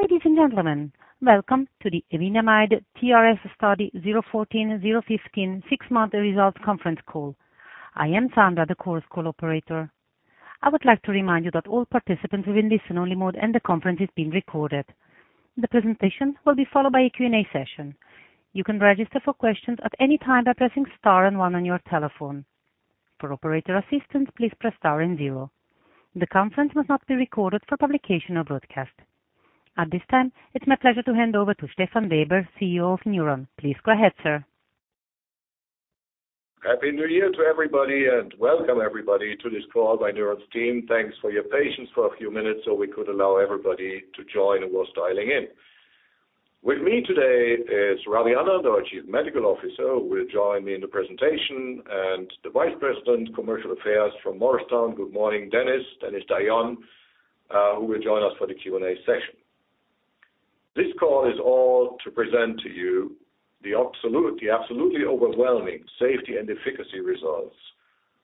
Ladies and gentlemen, welcome to the evenamide TRS Study 014/015 six-month results conference call. I am Sandra, the conference call operator. I would like to remind you that all participants will be in listen-only mode and the conference is being recorded. The presentation will be followed by a Q&A session. You can register for questions at any time by pressing star and one on your telephone. For operator assistance, please press star and zero. The conference must not be recorded for publication or broadcast. At this time, it's my pleasure to hand over to Stefan Weber, CEO of Newron. Please go ahead, sir. Happy New Year to everybody, welcome everybody to this call by Newron's team. Thanks for your patience for a few minutes so we could allow everybody to join who was dialing in. With me today is Ravi Anand, our chief medical officer, who will join me in the presentation, and the Vice President Commercial Affairs from Morristown. Good morning, Dennis. Dennis Dionne, who will join us for the Q&A session. This call is all to present to you the absolutely overwhelming safety and efficacy results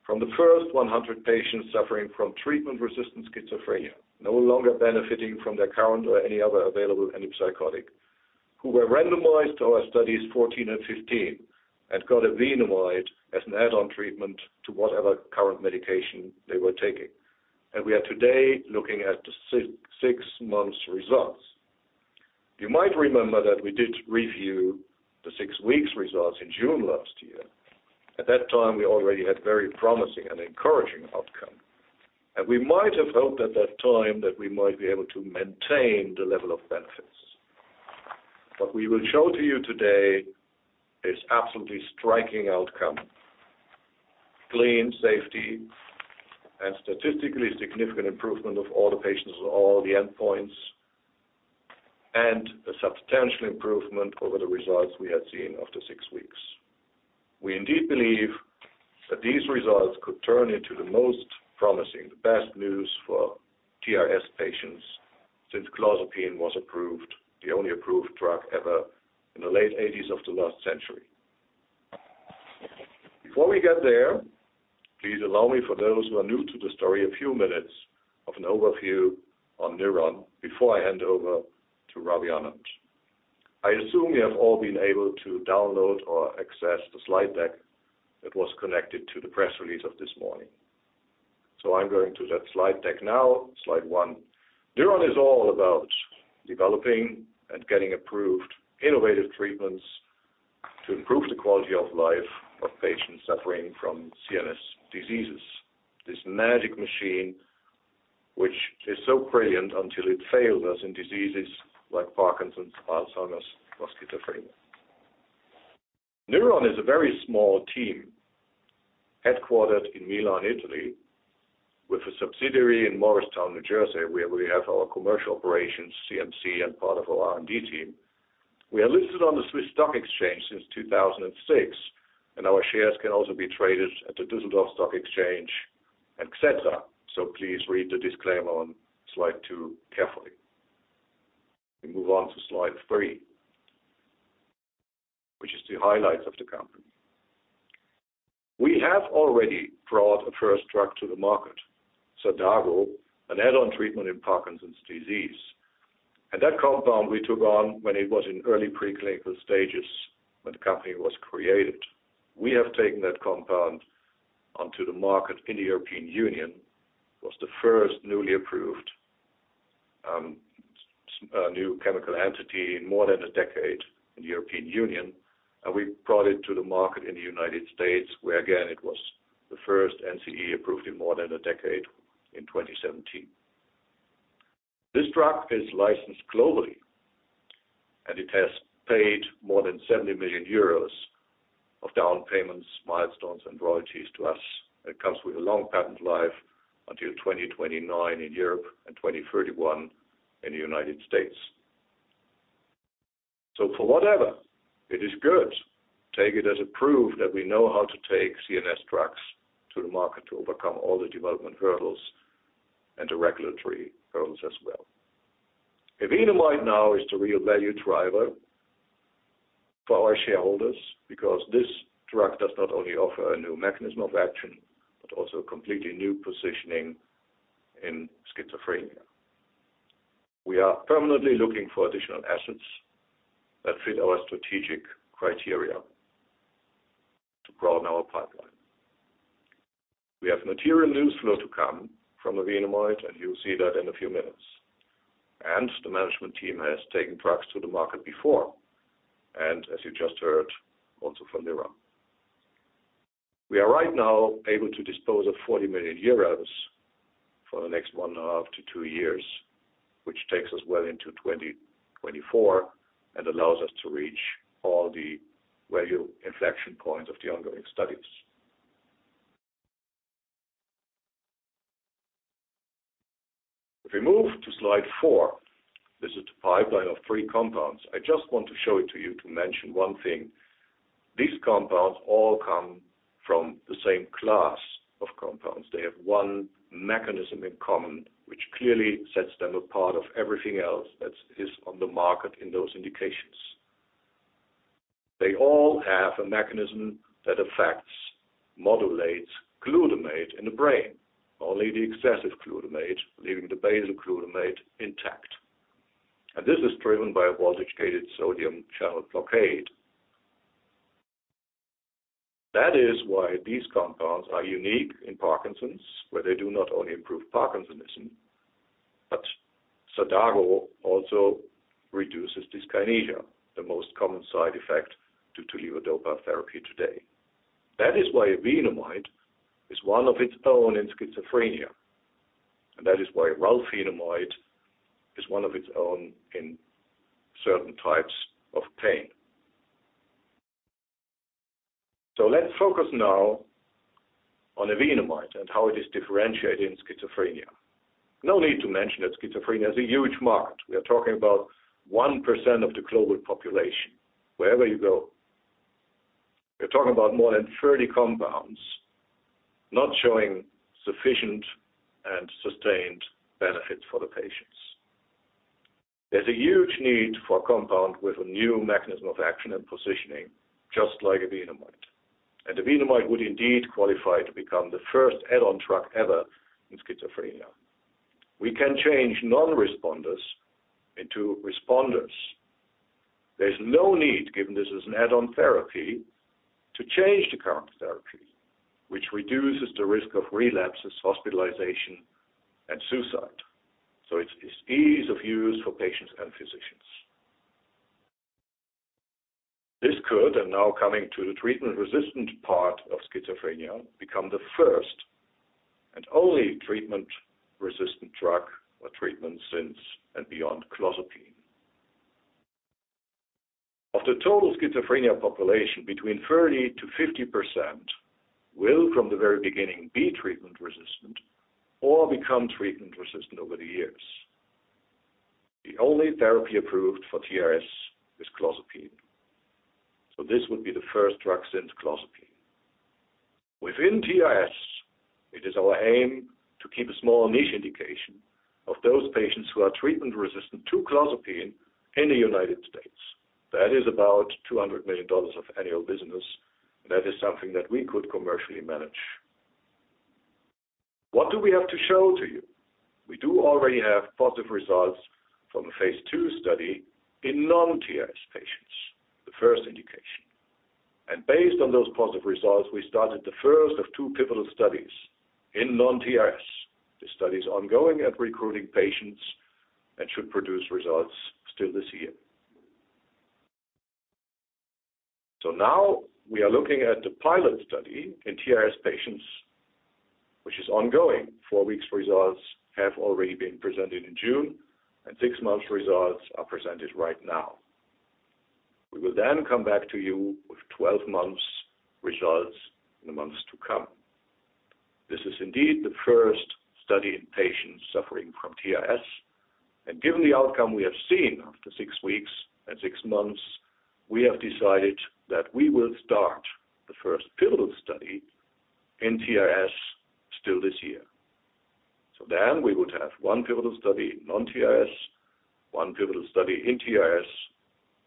from the first 100 patients suffering from treatment-resistant schizophrenia, no longer benefiting from their current or any other available antipsychotic, who were randomized to our Studies 14 and 15 and got evenamide as an add-on treatment to whatever current medication they were taking. We are today looking at the six months results. You might remember that we did review the six weeks results in June last year. At that time, we already had very promising and encouraging outcome. We might have hoped at that time that we might be able to maintain the level of benefits. What we will show to you today is absolutely striking outcome, clean safety, and statistically significant improvement of all the patients with all the endpoints, and a substantial improvement over the results we had seen after six weeks. We indeed believe that these results could turn into the most promising, the best news for TRS patients since clozapine was approved, the only approved drug ever in the late '80s of the last century. Before we get there, please allow me, for those who are new to the story, a few minutes of an overview on Newron before I hand over to Ravi Anand. I assume you have all been able to download or access the slide deck that was connected to the press release of this morning. I'm going to that slide deck now. Slide one. Newron is all about developing and getting approved innovative treatments to improve the quality of life of patients suffering from CNS diseases. This magic machine, which is so brilliant until it fails us in diseases like Parkinson's, Alzheimer's, or schizophrenia. Newron is a very small team headquartered in Milan, Italy, with a subsidiary in Morristown, New Jersey, where we have our commercial operations, CMC, and part of our R&D team. We are listed on the Swiss Stock Exchange since 2006, our shares can also be traded at the Dusseldorf Stock Exchange, et cetera. Please read the disclaimer on Slide two carefully. We move on to Slide three, which is the highlights of the company. We have already brought a first drug to the market, Xadago, an add-on treatment in Parkinson's Disease. That compound we took on when it was in early preclinical stages when the company was created. We have taken that compound onto the market in the European Union. It was the first newly approved new chemical entity in more than a decade in the European Union, and we brought it to the market in the United States, where again, it was the first NCE approved in more than a decade in 2017. This drug is licensed globally, and it has paid more than 70 million euros of down payments, milestones, and royalties to us. It comes with a long patent life until 2029 in Europe and 2031 in the United States. For whatever, it is good, take it as a proof that we know how to take CNS drugs to the market to overcome all the development hurdles and the regulatory hurdles as well. evenamide now is the real value driver for our shareholders because this drug does not only offer a new mechanism of action, but also a completely new positioning in schizophrenia. We are permanently looking for additional assets that fit our strategic criteria to broaden our pipeline. We have material news flow to come from evenamide, and you'll see that in a few minutes. The management team has taken drugs to the market before, and as you just heard, also from Newron. We are right now able to dispose of 40 million euros for the next one and a half to two years, which takes us well into 2024 and allows us to reach all the value inflection points of the ongoing studies. If we move to Slide 4, this is the pipeline of three compounds. I just want to show it to you to mention one thing. These compounds all come from the same class of compounds. They have one mechanism in common, which clearly sets them apart of everything else that is on the market in those indications. They all have a mechanism that affects, modulates glutamate in the brain. Only the excessive glutamate, leaving the basal glutamate intact. This is driven by a voltage-gated sodium channel blockade. That is why these compounds are unique in Parkinson's, where they do not only improve Parkinsonism, but Xadago also reduces dyskinesia, the most common side effect due to levodopa therapy today. That is why evenamide is one of its own in schizophrenia, and that is why ralfinamide is one of its own in certain types of pain. Let's focus now on evenamide and how it is differentiated in schizophrenia. No need to mention that schizophrenia is a huge market. We are talking about 1% of the global population, wherever you go. We're talking about more than 30 compounds not showing sufficient and sustained benefit for the patients. There's a huge need for a compound with a new mechanism of action and positioning, just like evenamide. evenamide would indeed qualify to become the first add-on drug ever in schizophrenia. We can change non-responders into responders. There's no need, given this as an add-on therapy, to change the current therapy, which reduces the risk of relapses, hospitalization, and suicide. It's ease of use for patients and physicians. This could, and now coming to the treatment-resistant part of schizophrenia, become the first and only treatment-resistant drug or treatment since and beyond clozapine. Of the total schizophrenia population, between 30%-50% will, from the very beginning, be treatment resistant or become treatment resistant over the years. The only therapy approved for TRS is clozapine. This would be the first drug since clozapine. Within TRS, it is our aim to keep a small niche indication of those patients who are treatment resistant to clozapine in the United States. That is about $200 million of annual business, and that is something that we could commercially manage. What do we have to show to you? We do already have positive results from a phase II study in non-TRS patients, the first indication. Based on those positive results, we started the first of two pivotal studies in non-TRS. The study's ongoing and recruiting patients and should produce results still this year. Now we are looking at the pilot study in TRS patients, which is ongoing. Four-week results have already been presented in June, and six-month results are presented right now. We will then come back to you with 12-month results in the months to come. This is indeed the first study in patients suffering from TRS. Given the outcome we have seen after six weeks and six months, we have decided that we will start the first pivotal study in TRS still this year. We would have one pivotal study in non-TRS, one pivotal study in TRS.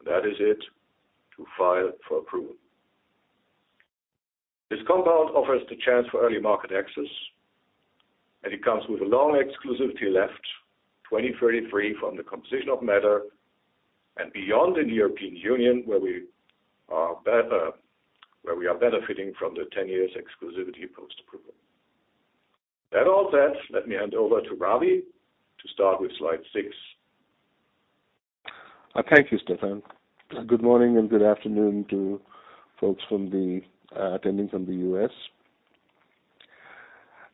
That is it to file for approval. This compound offers the chance for early market access. It comes with a long exclusivity left, 2033 from the composition of matter and beyond in the European Union, where we are benefiting from the 10 years exclusivity post-approval. At all that, let me hand over to Ravi to start with slide six. Thank you, Stefan. Good morning and good afternoon to folks attending from the U.S.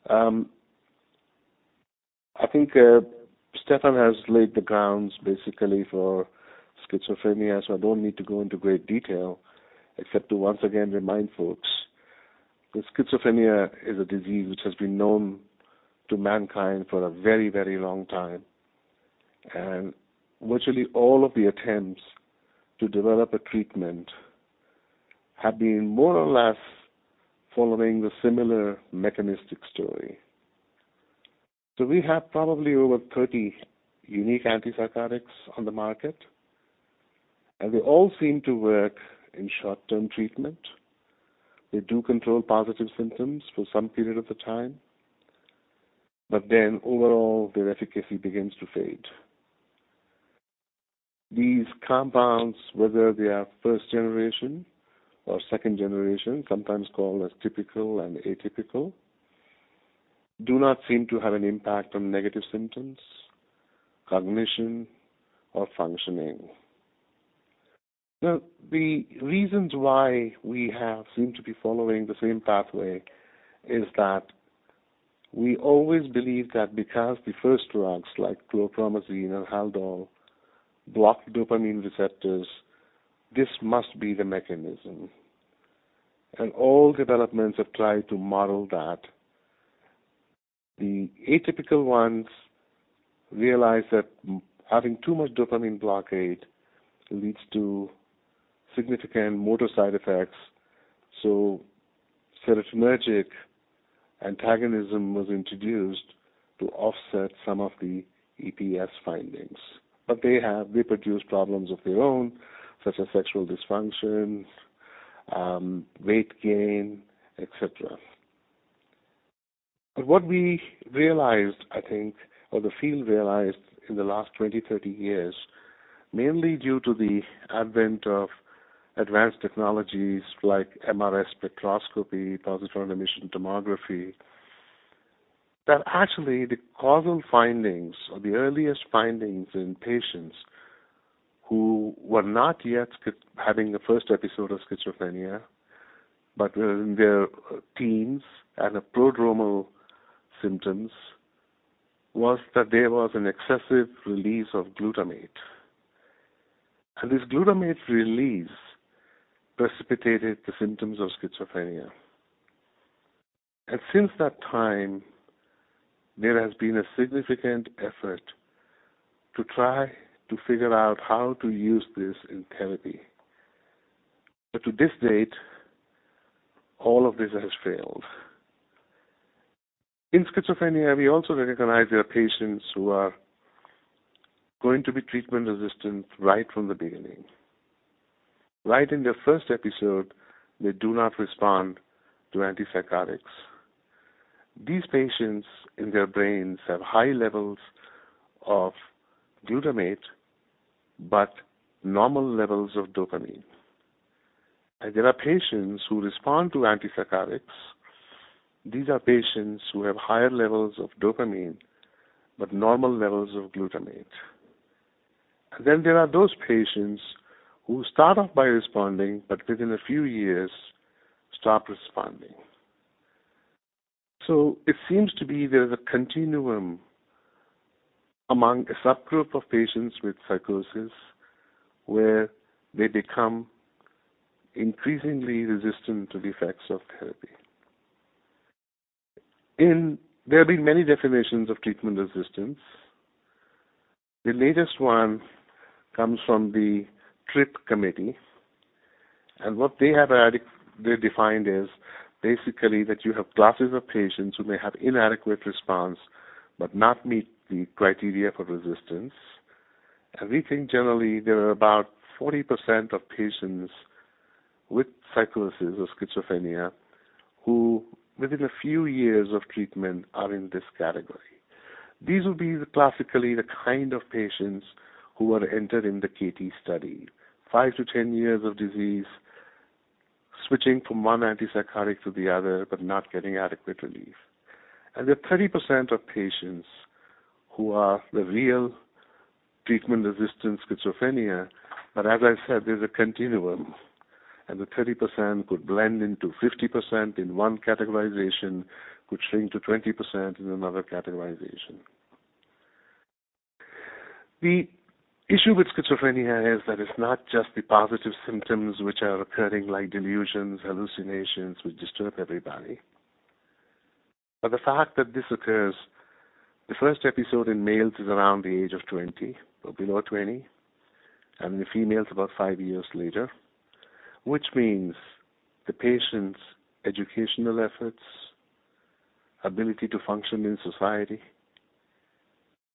I think Stefan has laid the grounds basically for schizophrenia. I don't need to go into great detail except to once again remind folks that schizophrenia is a disease which has been known to mankind for a very long time. Virtually all of the attempts to develop a treatment have been more or less following the similar mechanistic story. We have probably over 30 unique antipsychotics on the market. They all seem to work in short-term treatment. They do control positive symptoms for some period of the time, overall, their efficacy begins to fade. These compounds, whether they are first generation or second generation, sometimes called as typical and atypical, do not seem to have an impact on negative symptoms, cognition, or functioning. The reasons why we have seemed to be following the same pathway is that we always believe that because the first drugs, like chlorpromazine and Haldol, block dopamine receptors, this must be the mechanism. All developments have tried to model that. The atypical ones realize that having too much dopamine blockade leads to significant motor side effects. Serotonergic antagonism was introduced to offset some of the EPS findings. They produce problems of their own, such as sexual dysfunctions, weight gain, et cetera. What we realized, I think, or the field realized in the last 20, 30 years, mainly due to the advent of advanced technologies like MRS spectroscopy, positron emission tomography, that actually the causal findings or the earliest findings in patients who were not yet having the first episode of schizophrenia, but were in their teens and the prodromal symptoms, was that there was an excessive release of glutamate. This glutamate release precipitated the symptoms of schizophrenia. Since that time, there has been a significant effort to try to figure out how to use this in therapy. To this date, all of this has failed. In schizophrenia, we also recognize there are patients who are going to be treatment resistant right from the beginning. Right in their first episode, they do not respond to antipsychotics. These patients, in their brains, have high levels of glutamate, but normal levels of dopamine. There are patients who respond to antipsychotics. These are patients who have higher levels of dopamine, but normal levels of glutamate. There are those patients who start off by responding, but within a few years, stop responding. It seems to be there is a continuum among a subgroup of patients with psychosis where they become increasingly resistant to the effects of therapy. There have been many definitions of treatment resistance. The latest one comes from the TRRIP Committee, what they defined is basically that you have classes of patients who may have inadequate response but not meet the criteria for resistance. We think generally there are about 40% of patients with psychosis or schizophrenia who, within a few years of treatment, are in this category. These will be classically the kind of patients who are entered in the CATIE study. Five to 10 years of disease, switching from one antipsychotic to the other, but not getting adequate relief. There are 30% of patients who are the real treatment-resistant schizophrenia. As I've said, there's a continuum, and the 30% could blend into 50% in one categorization, could shrink to 20% in another categorization. The issue with schizophrenia is that it's not just the positive symptoms which are occurring, like delusions, hallucinations, which disturb everybody. The fact that this occurs, the first episode in males is around the age of 20 or below 20, and in the females, about five years later, which means the patient's educational efforts, ability to function in society,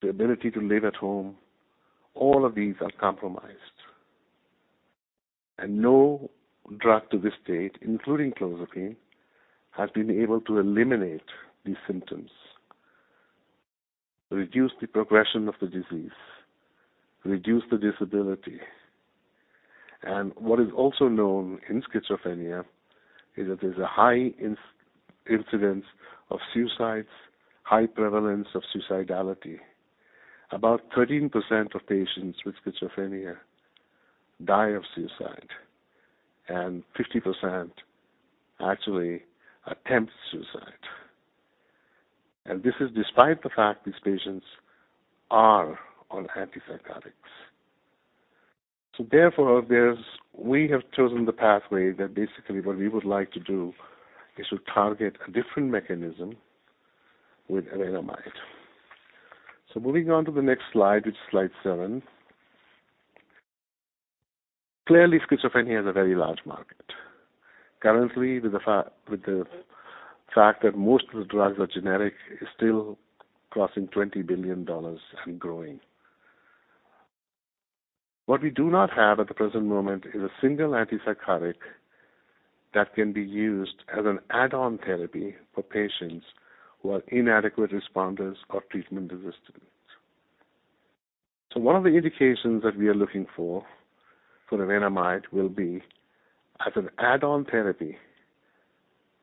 the ability to live at home, all of these are compromised. No drug to this date, including clozapine, has been able to eliminate these symptoms, reduce the progression of the disease, reduce the disability. What is also known in schizophrenia is that there is a high incidence of suicides, high prevalence of suicidality. About 13% of patients with schizophrenia die of suicide, and 50% actually attempt suicide. This is despite the fact these patients are on antipsychotics. Therefore, we have chosen the pathway that basically what we would like to do is to target a different mechanism with evenamide. Moving on to the next slide, which is slide seven. Clearly, schizophrenia is a very large market. Currently, with the fact that most of the drugs are generic, is still crossing EUR 20 billion and growing. What we do not have at the present moment is a single antipsychotic that can be used as an add-on therapy for patients who are inadequate responders or treatment resistant. One of the indications that we are looking for evenamide, will be as an add-on therapy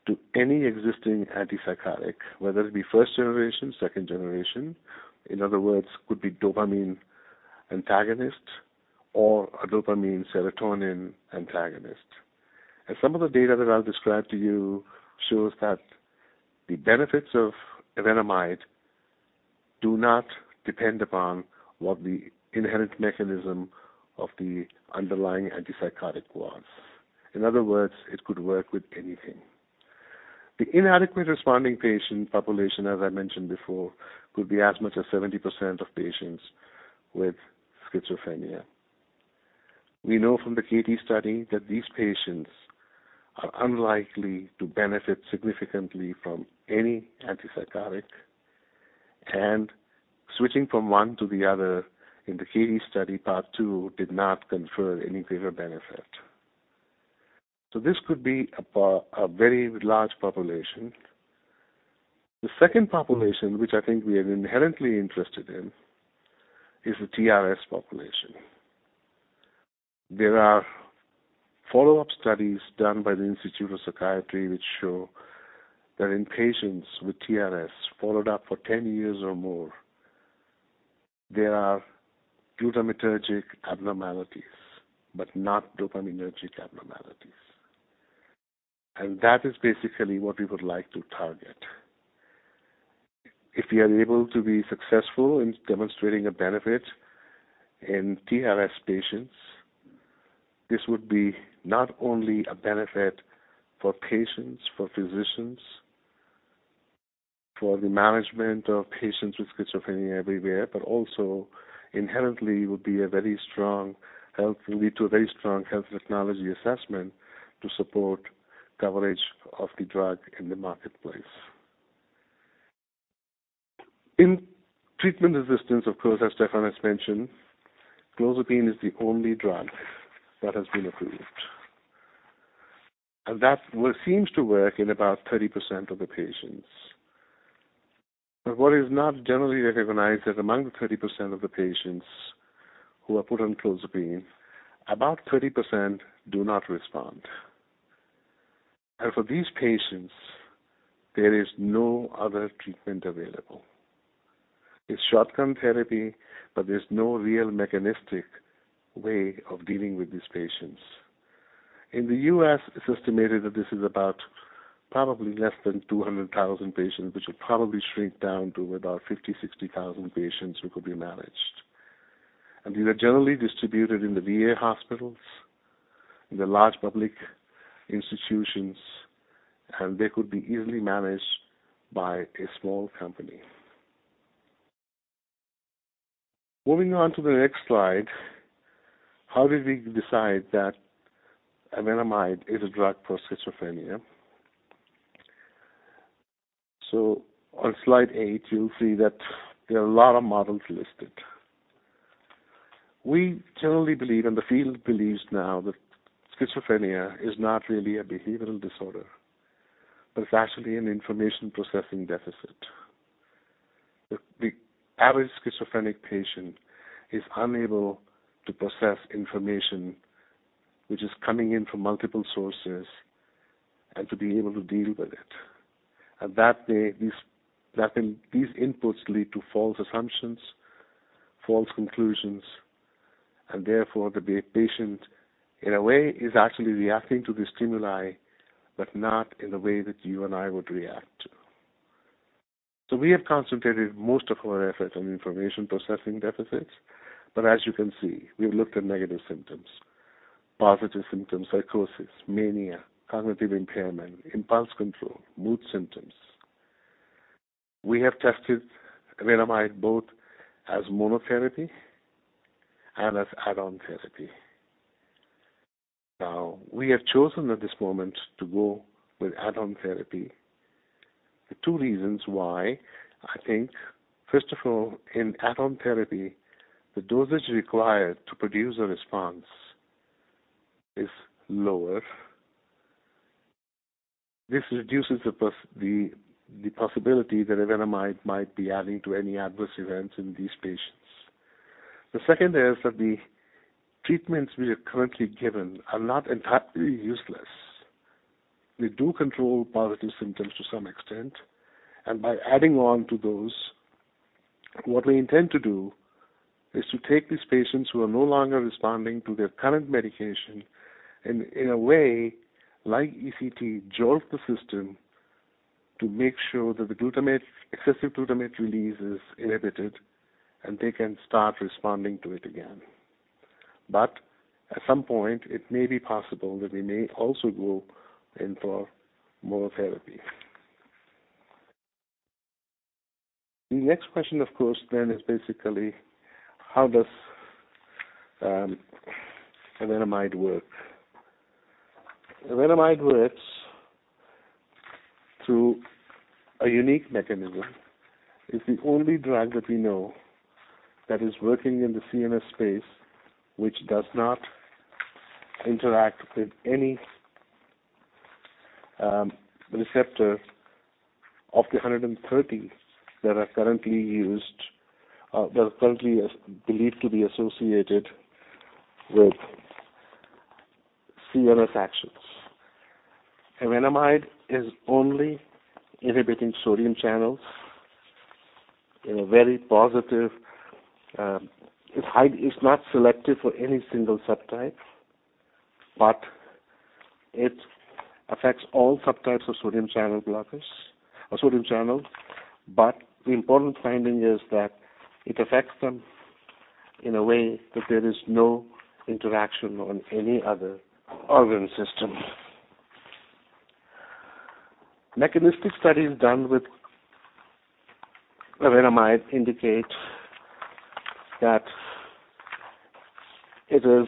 to any existing antipsychotic, whether it be first generation, second generation. In other words, could be dopamine antagonist or a dopamine serotonergic antagonism. Some of the data that I will describe to you shows that the benefits of evenamide do not depend upon what the inherent mechanism of the underlying antipsychotic was. In other words, it could work with anything. The inadequate responding patient population, as I mentioned before, could be as much as 70% of patients with schizophrenia. We know from the CATIE study that these patients are unlikely to benefit significantly from any antipsychotic, and switching from one to the other in the CATIE study, part 2, did not confer any greater benefit. This could be a very large population. The second population, which I think we are inherently interested in, is the TRS population. There are follow-up studies done by the Institute of Psychiatry, which show that in patients with TRS followed up for 10 years or more, there are glutamatergic abnormalities, but not dopaminergic abnormalities. That is basically what we would like to target. If we are able to be successful in demonstrating a benefit in TRS patients, this would be not only a benefit for patients, for physicians, for the management of patients with schizophrenia everywhere, but also inherently will lead to a very strong Health Technology Assessment to support coverage of the drug in the marketplace. In treatment resistance, of course, as Stefan has mentioned, clozapine is the only drug that has been approved, and that seems to work in about 30% of the patients. What is not generally recognized is among the 30% of the patients who are put on clozapine, about 30% do not respond. For these patients, there is no other treatment available. It is shotgun therapy, but there is no real mechanistic way of dealing with these patients. In the U.S., it's estimated that this is about probably less than 200,000 patients, which will probably shrink down to about 50,000, 60,000 patients who could be managed. These are generally distributed in the VA hospitals, in the large public institutions, and they could be easily managed by a small company. Moving on to the next slide. How did we decide that evenamide is a drug for schizophrenia? On slide eight, you'll see that there are a lot of models listed. We generally believe, and the field believes now, that schizophrenia is not really a behavioral disorder, but it's actually an information processing deficit. The average schizophrenic patient is unable to process information which is coming in from multiple sources and to be able to deal with it. These inputs lead to false assumptions, false conclusions, and therefore, the patient, in a way, is actually reacting to the stimuli, but not in the way that you and I would react to. We have concentrated most of our efforts on information processing deficits. As you can see, we've looked at negative symptoms, positive symptoms, psychosis, mania, cognitive impairment, impulse control, mood symptoms. We have tested evenamide both as monotherapy and as add-on therapy. We have chosen at this moment to go with add-on therapy. The two reasons why, I think, first of all, in add-on therapy, the dosage required to produce a response is lower. This reduces the possibility that evenamide might be adding to any adverse events in these patients. The second is that the treatments we are currently given are not entirely useless. They do control positive symptoms to some extent. By adding on to those, what we intend to do is to take these patients who are no longer responding to their current medication, and in a way, like ECT, jolt the system to make sure that the excessive glutamate release is inhibited, and they can start responding to it again. At some point, it may be possible that we may also go in for monotherapy. The next question, of course, then is basically how does evenamide work? Evenamide works through a unique mechanism. It's the only drug that we know that is working in the CNS space, which does not interact with any receptor of the 130 that are currently believed to be associated with CNS actions. Evenamide is only inhibiting sodium channels. It's not selective for any single subtype, but it affects all subtypes of sodium channel blockers or sodium channels. The important finding is that it affects them in a way that there is no interaction on any other organ system. Mechanistic studies done with evenamide indicate that it is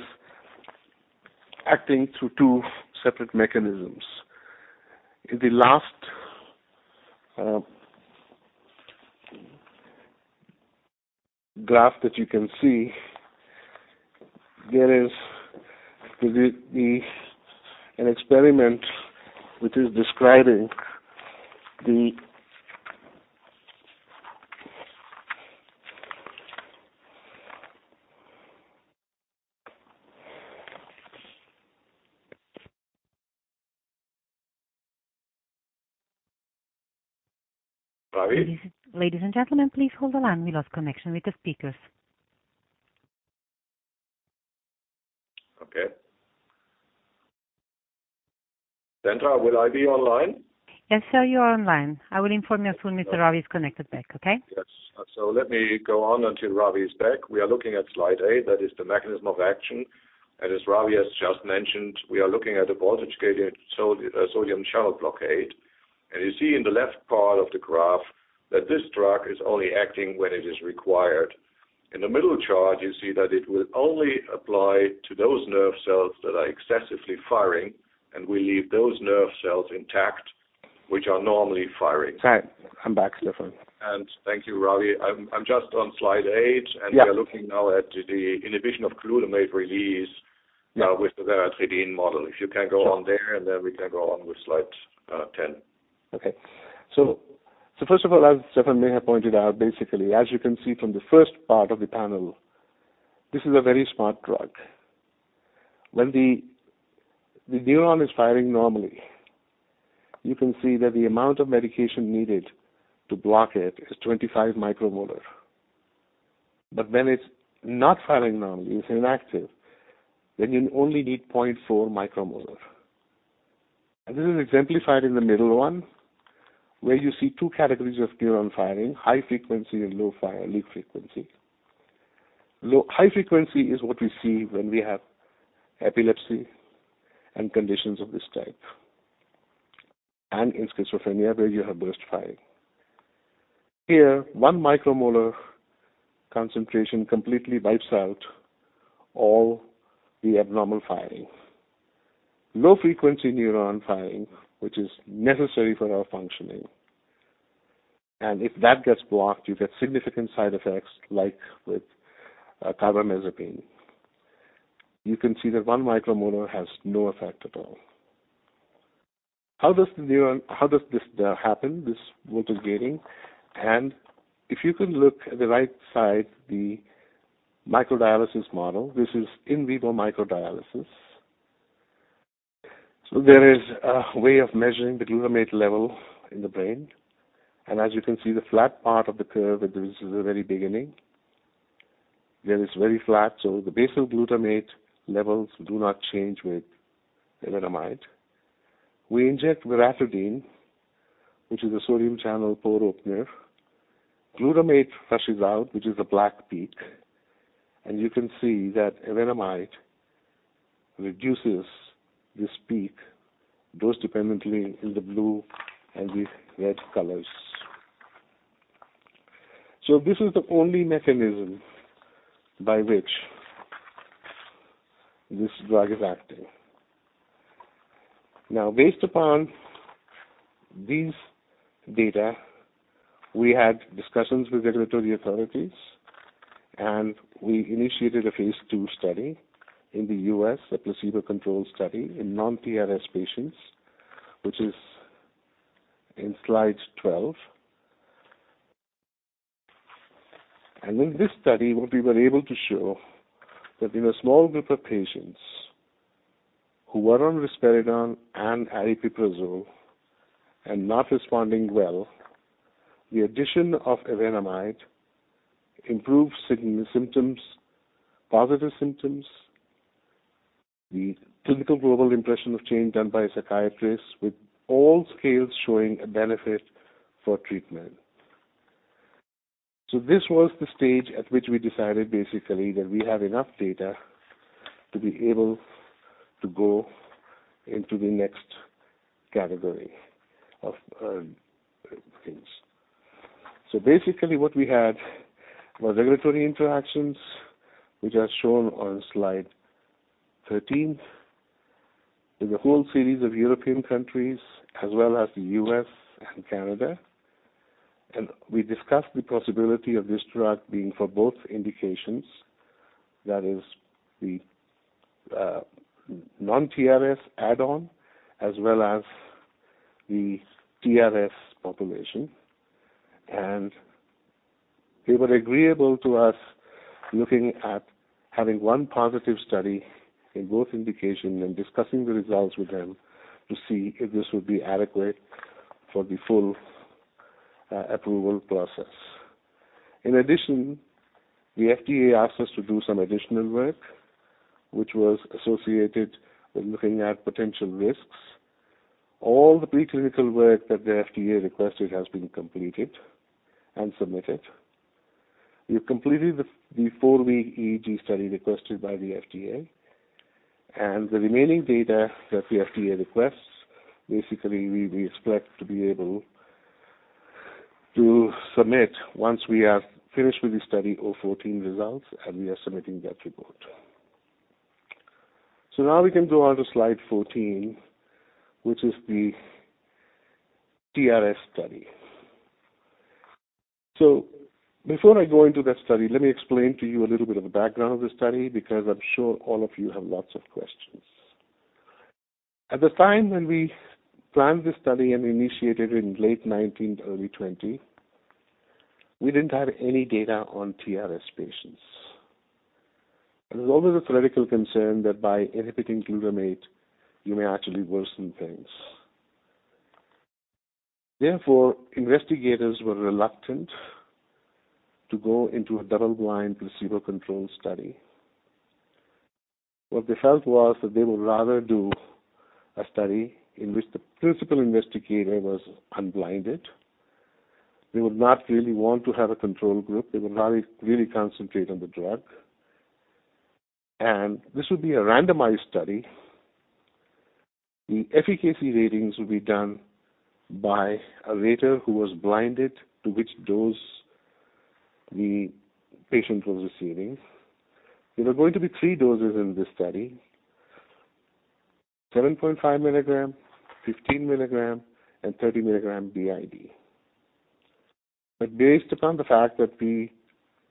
acting through two separate mechanisms. In the last graph that you can see, there is an experiment which is describing the, Ravi? Ladies and gentlemen, please hold the line. We lost connection with the speakers. Okay. Sandra, will I be online? Yes, sir. You are online. I will inform you as soon as Ravi is connected back, okay? Yes. Let me go on until Ravi is back. We are looking at slide eight, that is the mechanism of action. As Ravi has just mentioned, we are looking at the voltage-gated sodium channel blockade. You see in the left part of the graph that this drug is only acting when it is required. In the middle chart, you see that it will only apply to those nerve cells that are excessively firing, and we leave those nerve cells intact which are normally firing. Hi. I'm back, Stefan. Thank you, Ravi. I'm just on slide eight. Yeah. We are looking now at the inhibition of glutamate release. Yeah Now with the veratridine model. If you can go on there, then we can go on with slide 10. Okay. First of all, as Stefan may have pointed out, basically, as you can see from the first part of the panel, this is a very smart drug. When the neuron is firing normally, you can see that the amount of medication needed to block it is 25 micromolar. When it's not firing normally, it's inactive, then you only need 0.4 micromolar. This is exemplified in the middle one, where you see 2 categories of neuron firing, high frequency and low frequency. High frequency is what we see when we have epilepsy and conditions of this type, and in schizophrenia, where you have burst firing. Here, one micromolar concentration completely wipes out all the abnormal firing. Low-frequency neuron firing, which is necessary for our functioning. If that gets blocked, you get significant side effects like with carbamazepine. You can see that one micromolar has no effect at all. How does this happen, this voltage gating? If you can look at the right side, the microdialysis model. This is in vivo microdialysis. There is a way of measuring the glutamate level in the brain. As you can see, the flat part of the curve, this is the very beginning. There it's very flat, so the basal glutamate levels do not change with evenamide. We inject veratridine, which is a sodium channel pore opener. Glutamate flushes out, which is a black peak. You can see that evenamide reduces this peak dose-dependently in the blue and the red colors. This is the only mechanism by which this drug is acting. Now, based upon these data, we had discussions with regulatory authorities, we initiated a phase II study in the U.S., a placebo-controlled study in non-TRS patients, which is in slide 12. In this study, what we were able to show, that in a small group of patients who were on risperidone and aripiprazole and not responding well, the addition of evenamide improved symptoms, positive symptoms. The clinical global impression of change done by a psychiatrist with all scales showing a benefit for treatment. This was the stage at which we decided basically that we have enough data to be able to go into the next category of things. Basically, what we had was regulatory interactions, which are shown on slide 13. In the whole series of European countries, as well as the U.S. and Canada. We discussed the possibility of this drug being for both indications, that is the non-TRS add-on as well as the TRS population. They were agreeable to us looking at having one positive study in both indications and discussing the results with them to see if this would be adequate for the full approval process. In addition, the FDA asked us to do some additional work, which was associated with looking at potential risks. All the preclinical work that the FDA requested has been completed and submitted. We've completed the four-week EEG study requested by the FDA, and the remaining data that the FDA requests, basically, we expect to be able to submit once we have finished with the Study 014 results, and we are submitting that report. Now we can go on to slide 14, which is the TRS study. Before I go into that study, let me explain to you a little bit of the background of the study, because I'm sure all of you have lots of questions. At the time when we planned the study and initiated in late 2019, early 2020, we didn't have any data on TRS patients. There's always a theoretical concern that by inhibiting glutamate, you may actually worsen things. Therefore, investigators were reluctant to go into a double-blind, placebo-controlled study. What they felt was that they would rather do a study in which the principal investigator was unblinded. They would not really want to have a control group. They would rather really concentrate on the drug. This would be a randomized study. The efficacy ratings will be done by a rater who was blinded to which dose the patient was receiving. There were going to be three doses in this study: 7.5 milligram, 15 milligram, and 30 milligram BID. Based upon the fact that we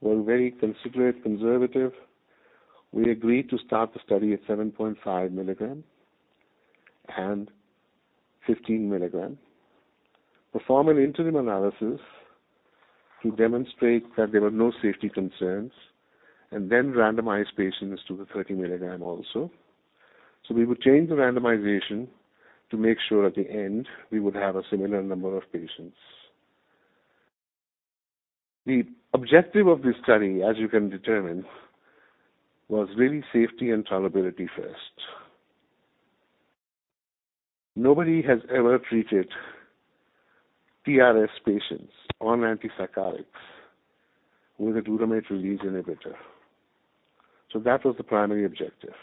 were very considerate, conservative, we agreed to start the study at 7.5 milligram and 15 milligram, perform an interim analysis to demonstrate that there were no safety concerns, and then randomize patients to the 30 milligram also. So we would change the randomization to make sure at the end we would have a similar number of patients. The objective of this study, as you can determine, was really safety and tolerability first. Nobody has ever treated TRS patients on antipsychotics with a glutamate release inhibitor. So that was the primary objective.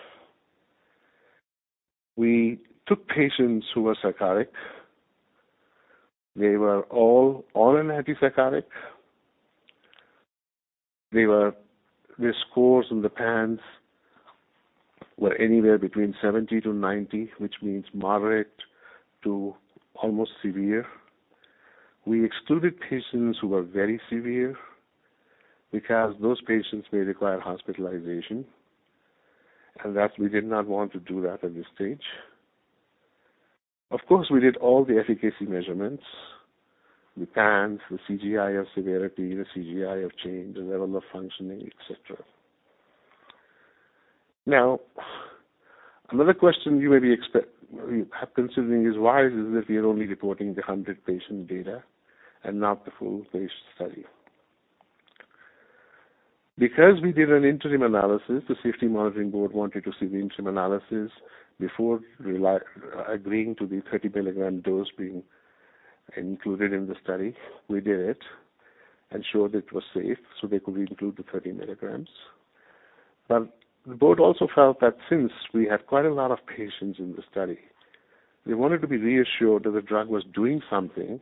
We took patients who were psychotic. They were all on an antipsychotic. Their scores on the PANSS were anywhere between 70 to 90, which means moderate to almost severe. We excluded patients who were very severe because those patients may require hospitalization, and that we did not want to do that at this stage. Of course, we did all the efficacy measurements, the PANSS, the CGI of severity, the CGI of change, the level of functioning, et cetera. Another question you may be considering is why is it that we are only reporting the 100-patient data and not the full phase study? Because we did an interim analysis. The safety monitoring board wanted to see the interim analysis before agreeing to the 30-milligram dose being included in the study. We did it and showed it was safe, so they could include the 30 milligrams. The board also felt that since we had quite a lot of patients in the study, they wanted to be reassured that the drug was doing something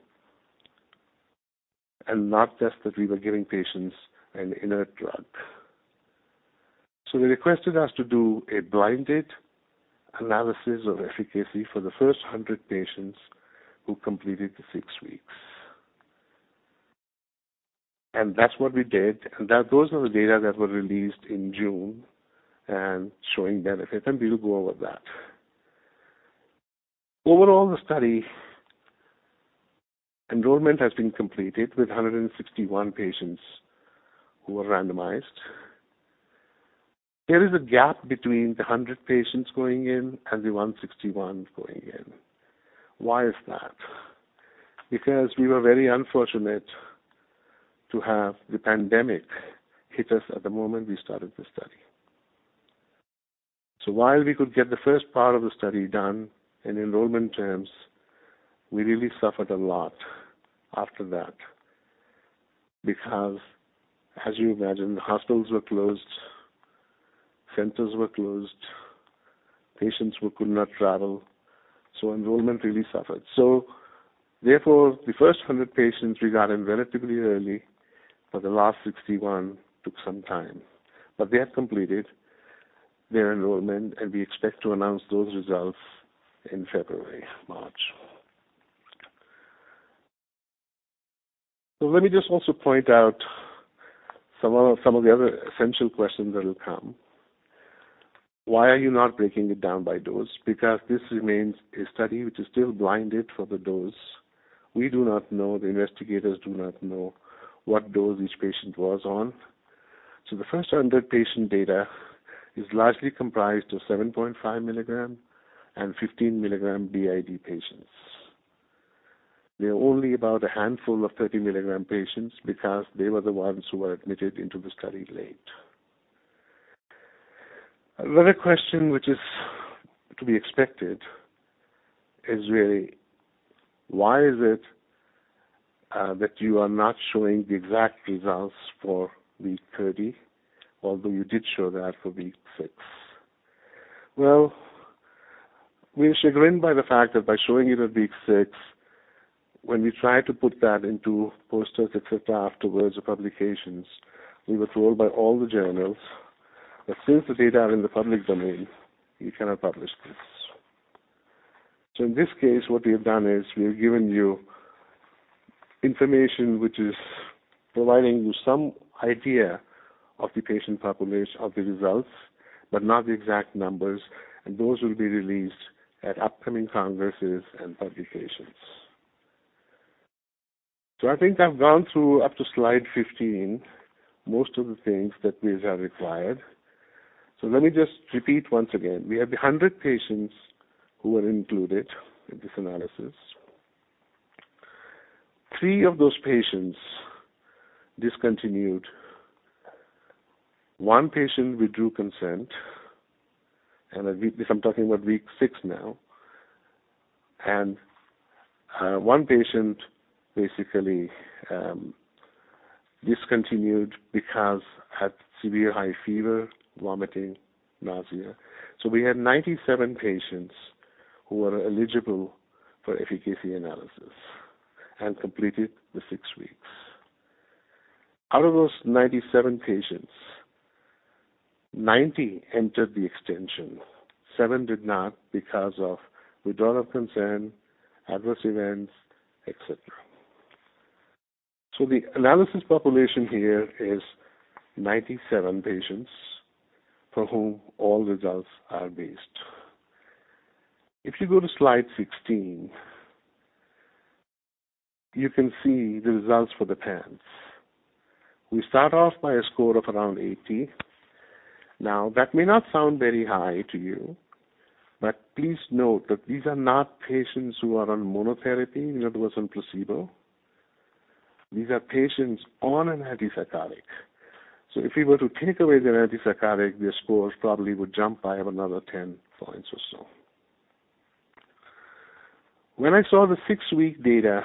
and not just that we were giving patients an inert drug. They requested us to do a blinded analysis of efficacy for the first 100 patients who completed the 6 weeks. That's what we did, and those are the data that were released in June and showing benefit, and we will go over that. Overall, the study enrollment has been completed with 161 patients who were randomized. There is a gap between the 100 patients going in and the 161 going in. Why is that? Because we were very unfortunate to have the pandemic hit us at the moment we started the study. While we could get the first part of the study done in enrollment terms, we really suffered a lot after that because, as you imagine, the hospitals were closed, centers were closed, patients could not travel. Enrollment really suffered. Therefore, the first 100 patients we got in relatively early, but the last 61 took some time. They have completed their enrollment, and we expect to announce those results in February, March. Let me just also point out some of the other essential questions that will come. Why are you not breaking it down by dose? Because this remains a study which is still blinded for the dose. We do not know, the investigators do not know what dose each patient was on. The first 100 patient data is largely comprised of 7.5 milligram and 15-milligram BID patients. There are only about a handful of 30-milligram patients because they were the ones who were admitted into the study late. Another question which is to be expected is really, why is it that you are not showing the exact results for week 30, although you did show that for week six? Well, we're chagrined by the fact that by showing you the week six, when we tried to put that into posters, et cetera, afterwards, or publications, we were told by all the journals that since the data are in the public domain, we cannot publish this. In this case, what we have done is we've given you information which is providing you some idea of the results, but not the exact numbers, and those will be released at upcoming congresses and publications. I think I've gone through up to slide 15, most of the things that we have required. Let me just repeat once again. We have 100 patients who were included in this analysis. Three of those patients discontinued. One patient withdrew consent, and this I'm talking about week six now. One patient basically discontinued because had severe high fever, vomiting, nausea. We had 97 patients who were eligible for efficacy analysis and completed the 6 weeks. Out of those 97 patients, 90 entered the extension. Seven did not because of withdrawal of consent, adverse events, et cetera. The analysis population here is 97 patients for whom all results are based. If you go to slide 16, you can see the results for the PANSS. We start off by a score of around 80. That may not sound very high to you, but please note that these are not patients who are on monotherapy, in other words, on placebo. These are patients on an antipsychotic. If we were to take away their antipsychotic, their scores probably would jump by another 10 points or so. When I saw the six-week data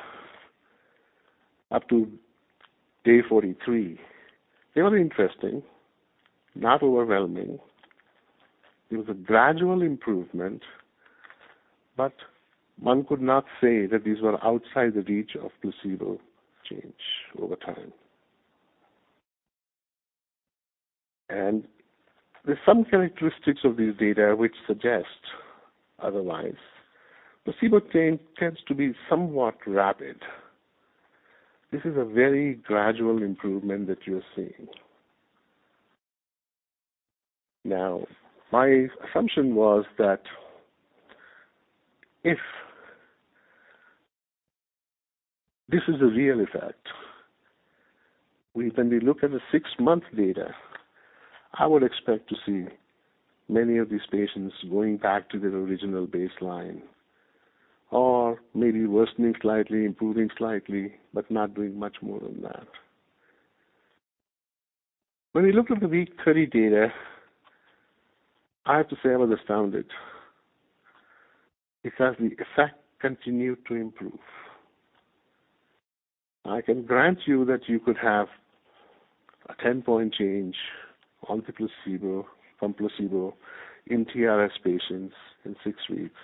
up to day 43, they were interesting, not overwhelming. It was a gradual improvement, but one could not say that these were outside the reach of placebo change over time. There's some characteristics of these data which suggest otherwise. Placebo change tends to be somewhat rapid. This is a very gradual improvement that you're seeing. My assumption was that if this is a real effect, when we look at the six-month data, I would expect to see many of these patients going back to their original baseline or maybe worsening slightly, improving slightly, but not doing much more than that. When we look at the week 30 data, I have to say I'm astounded because the effect continued to improve. I can grant you that you could have a 10-point change on the placebo, from placebo in TRS patients in six weeks.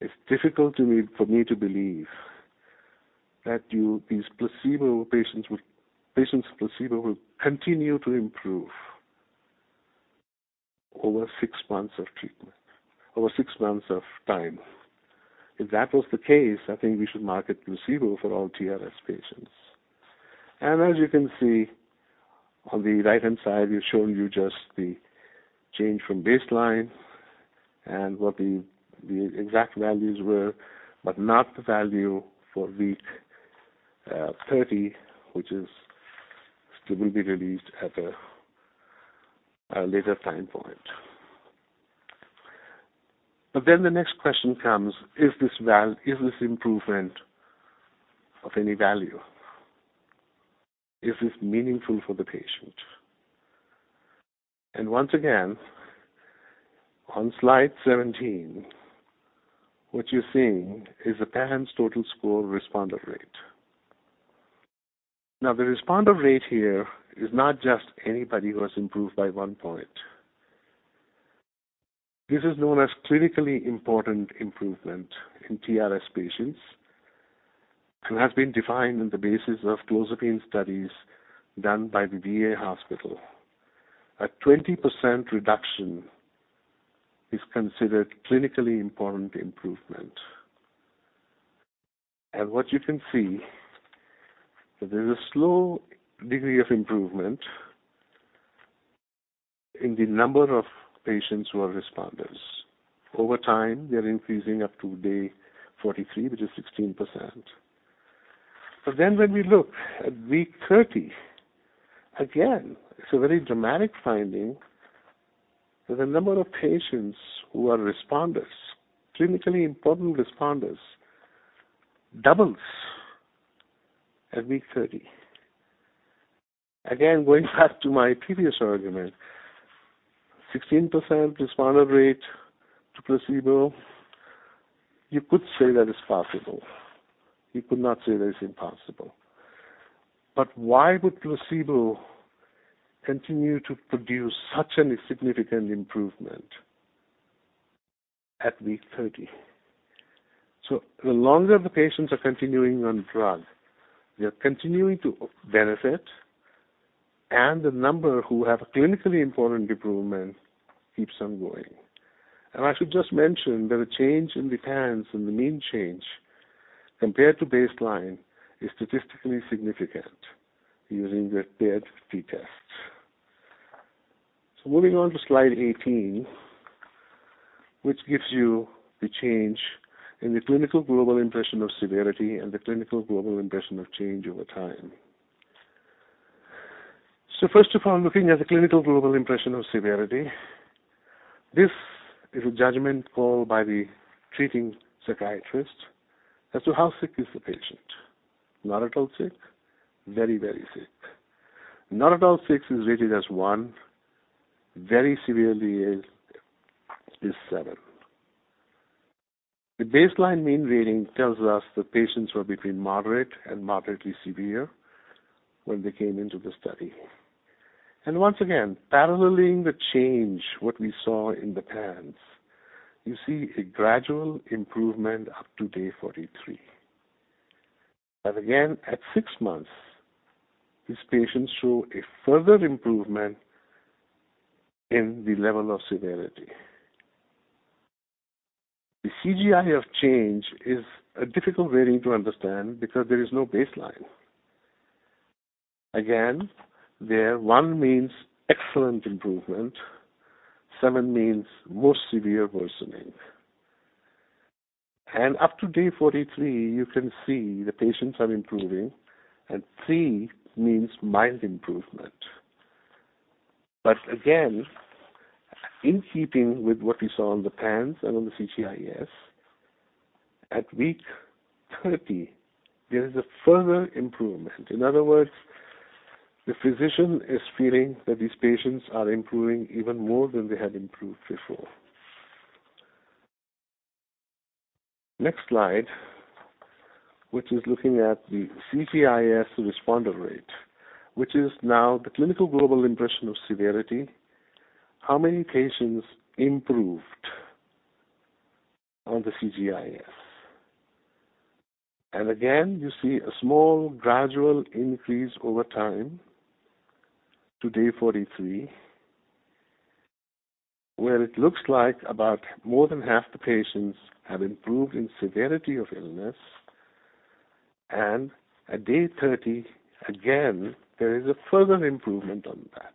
It's difficult for me to believe that these patients placebo will continue to improve over six months of treatment, over six months of time. If that was the case, I think we should market placebo for all TRS patients. As you can see on the right-hand side, we've shown you just the change from baseline and what the exact values were, but not the value for week 30, which is still will be released at a later time point. The next question comes, is this improvement of any value? Is this meaningful for the patient? Once again, on slide 17, what you're seeing is a PANSS total score responder rate. The responder rate here is not just anybody who has improved by one point. This is known as clinically important improvement in TRS patients and has been defined on the basis of clozapine studies done by the VA Hospital. A 20% reduction is considered clinically important improvement. What you can see, there's a slow degree of improvement in the number of patients who are responders. Over time, they're increasing up to day 43, which is 16%. When we look at week 30, again, it's a very dramatic finding that the number of patients who are responders, clinically important responders, doubles at week 30. Again, going back to my previous argument, 16% responder rate to placebo. You could say that it's possible. You could not say that it's impossible. Why would placebo continue to produce such a significant improvement at week 30? The longer the patients are continuing on drug, they're continuing to benefit, and the number who have a clinically important improvement keeps on going. I should just mention that a change in the PANSS and the mean change compared to baseline is statistically significant using the paired t-test. Moving on to slide 18, which gives you the change in the Clinical Global Impression of Severity and the Clinical Global Impression of Change over time. First of all, looking at the Clinical Global Impression of Severity, this is a judgment call by the treating psychiatrist as to how sick is the patient. Not at all sick, very, very sick. Not at all sick is rated as 1, very severely ill is 7. The baseline mean rating tells us that patients were between moderate and moderately severe when they came into the study. Once again, paralleling the change, what we saw in the PANSS, you see a gradual improvement up to day 43. Again, at six months, these patients show a further improvement in the level of severity. The CGI of Change is a difficult rating to understand because there is no baseline. Again, there, 1 means excellent improvement, 7 means more severe worsening. Up to day 43, you can see the patients are improving, and 3 means mild improvement. Again, in keeping with what we saw on the PANSS and on the CGIS, at week 30, there is a further improvement. In other words, the physician is feeling that these patients are improving even more than they had improved before. Next slide, which is looking at the CGIS responder rate, which is now the Clinical Global Impression of Severity. How many patients improved on the CGIS? Again, you see a small gradual increase over time to day 43, where it looks like about more than half the patients have improved in severity of illness. At week 30, again, there is a further improvement on that.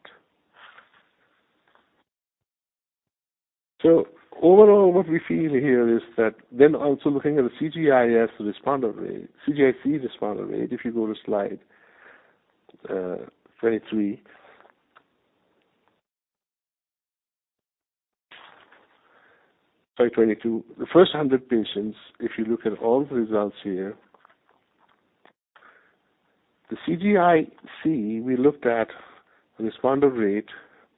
Overall, what we feel here is that also looking at the CGIC responder rate, if you go to slide 22. The first 100 patients, if you look at all the results here. The CGIC, we looked at responder rate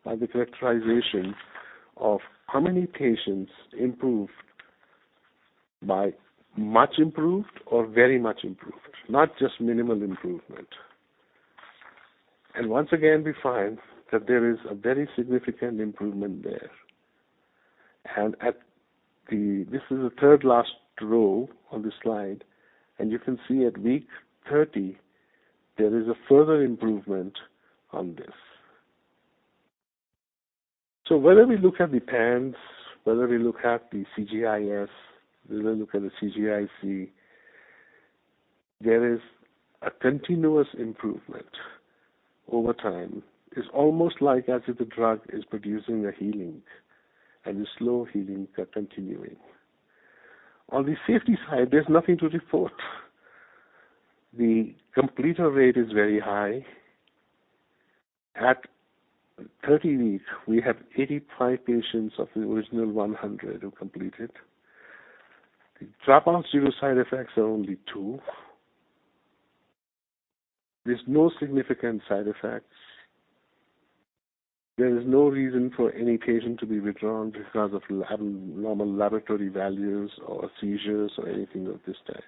by the characterization of how many patients improved by much improved or very much improved, not just minimal improvement. Once again, we find that there is a very significant improvement there. This is the third last row on the slide, you can see at week 30, there is a further improvement on this. Whether we look at the PANSS, whether we look at the CGIS, whether we look at the CGIC, there is a continuous improvement over time. It's almost like as if the drug is producing a healing, and the slow healing are continuing. On the safety side, there's nothing to report. The completer rate is very high. At 30 weeks, we have 85 patients of the original 100 who completed. The dropouts due to side effects are only 2. There's no significant side effects. There is no reason for any patient to be withdrawn because of abnormal laboratory values or seizures or anything of this type.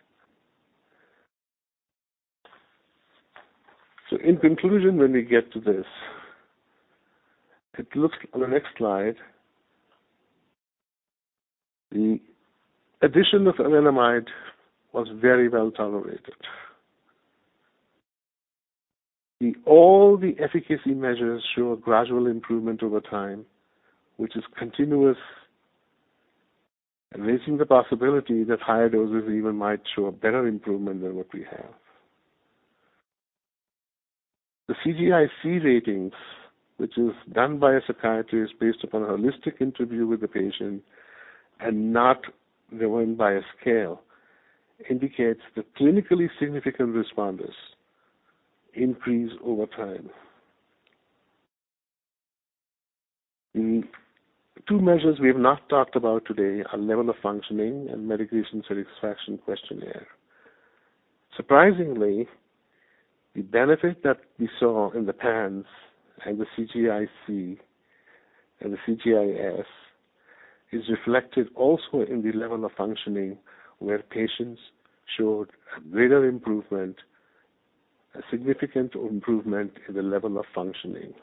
In conclusion, when we get to this, on the next slide. The addition of evenamide was very well tolerated. All the efficacy measures show a gradual improvement over time, which is continuous, raising the possibility that higher doses even might show a better improvement than what we have. The CGIC ratings, which is done by a psychiatrist based upon a holistic interview with the patient and not driven by a scale, indicates the clinically significant responders increase over time. The two measures we have not talked about today are level of functioning and Medication Satisfaction Questionnaire. Surprisingly, the benefit that we saw in the PANSS and the CGIC and the CGIS is reflected also in the level of functioning, where patients showed a greater improvement, a significant improvement in the level of functioning.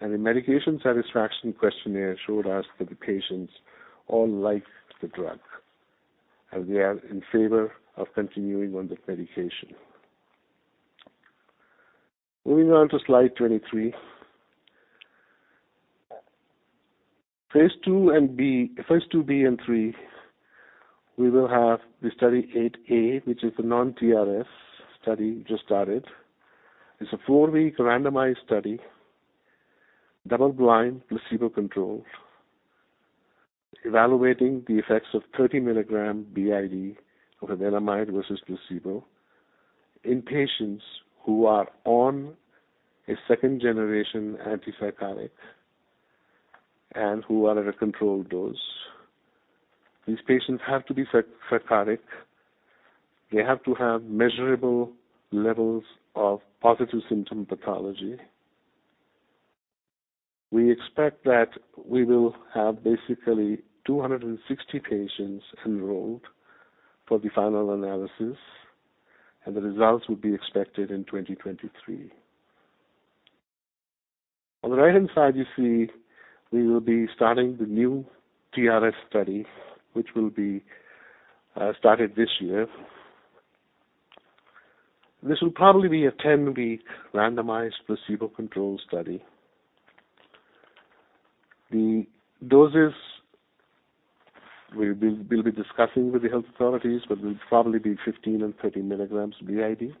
The Medication Satisfaction Questionnaire showed us that the patients all like the drug, and they are in favor of continuing on the medication. Moving on to slide 23. Phase II-B and III, we will have the Study 8A, which is the non-TRS study just started. It is a four-week randomized study, double-blind, placebo-controlled, evaluating the effects of 30 mg BID of evenamide versus placebo in patients who are on a second-generation antipsychotic and who are at a controlled dose. These patients have to be psychotic. They have to have measurable levels of positive symptom pathology. We expect that we will have basically 260 patients enrolled for the final analysis, and the results will be expected in 2023. On the right-hand side, you see we will be starting the new TRS study, which will be started this year. This will probably be a 10-week randomized, placebo-controlled study. The doses we will be discussing with the health authorities, but will probably be 15 and 30 mg BID.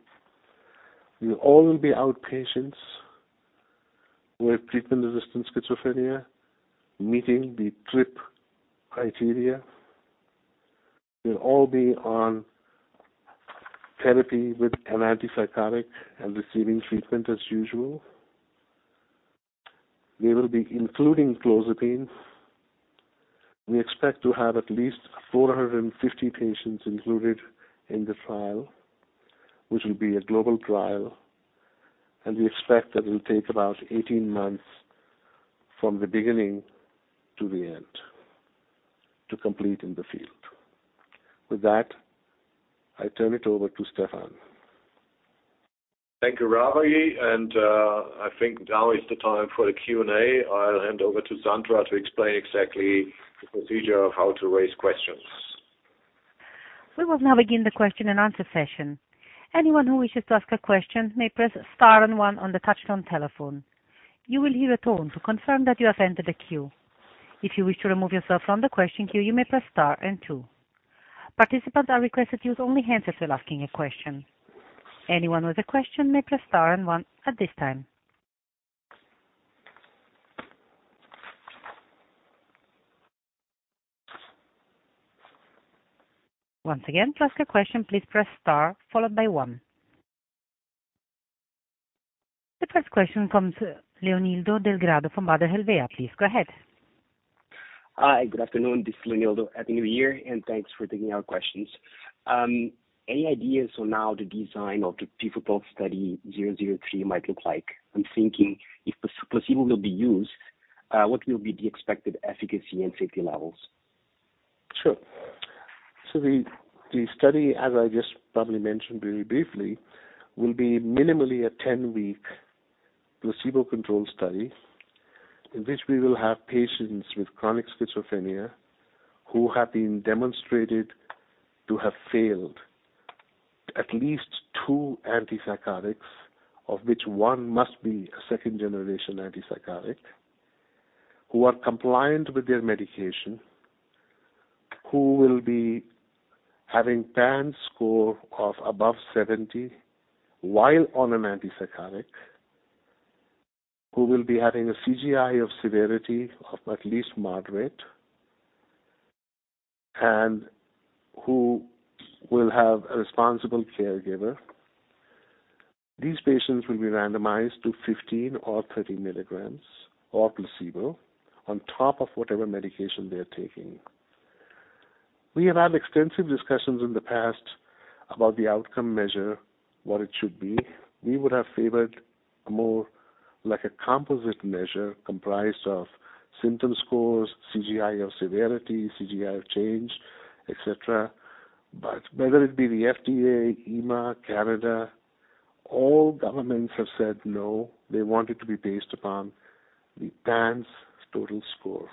Will all be outpatients with treatment-resistant schizophrenia, meeting the TRRIP criteria. Will all be on therapy with an antipsychotic and receiving treatment as usual. We will be including clozapine. We expect to have at least 450 patients included in the trial, which will be a global trial, and we expect that it will take about 18 months from the beginning to the end to complete in the field. With that, I turn it over to Stefan. Thank you, Ravi. I think now is the time for the Q&A. I will hand over to Sandra to explain exactly the procedure of how to raise questions. We will now begin the question and answer session. Anyone who wishes to ask a question may press star and 1 on the touch-tone telephone. You will hear a tone to confirm that you have entered the queue. If you wish to remove yourself from the question queue, you may press star and 2. Participants are requested to use only hands if they are asking a question. Anyone with a question may press star and 1 at this time. Once again, to ask a question, please press star followed by 1. The first question comes Leonildo Delgado from Baader Helvea. Please go ahead. Hi. Good afternoon. This is Leonildo. Happy New Year, and thanks for taking our questions. Any ideas on how the design of the pivotal Study 003 might look like? I'm thinking if placebo will be used, what will be the expected efficacy and safety levels? Sure. The study, as I just probably mentioned very briefly, will be minimally a 10-week placebo-controlled study in which we will have patients with chronic schizophrenia who have been demonstrated to have failed at least two antipsychotics, of which one must be a second-generation antipsychotic, who are compliant with their medication, who will be having PANSS score of above 70 while on an antipsychotic, who will be having a CGI of severity of at least moderate, and who will have a responsible caregiver. These patients will be randomized to 15 or 30 milligrams or placebo on top of whatever medication they're taking. We have had extensive discussions in the past about the outcome measure, what it should be. We would have favored more like a composite measure comprised of symptom scores, CGI of severity, CGI of change, et cetera. Whether it be the FDA, EMA, Canada, all governments have said no, they want it to be based upon the PANSS total score.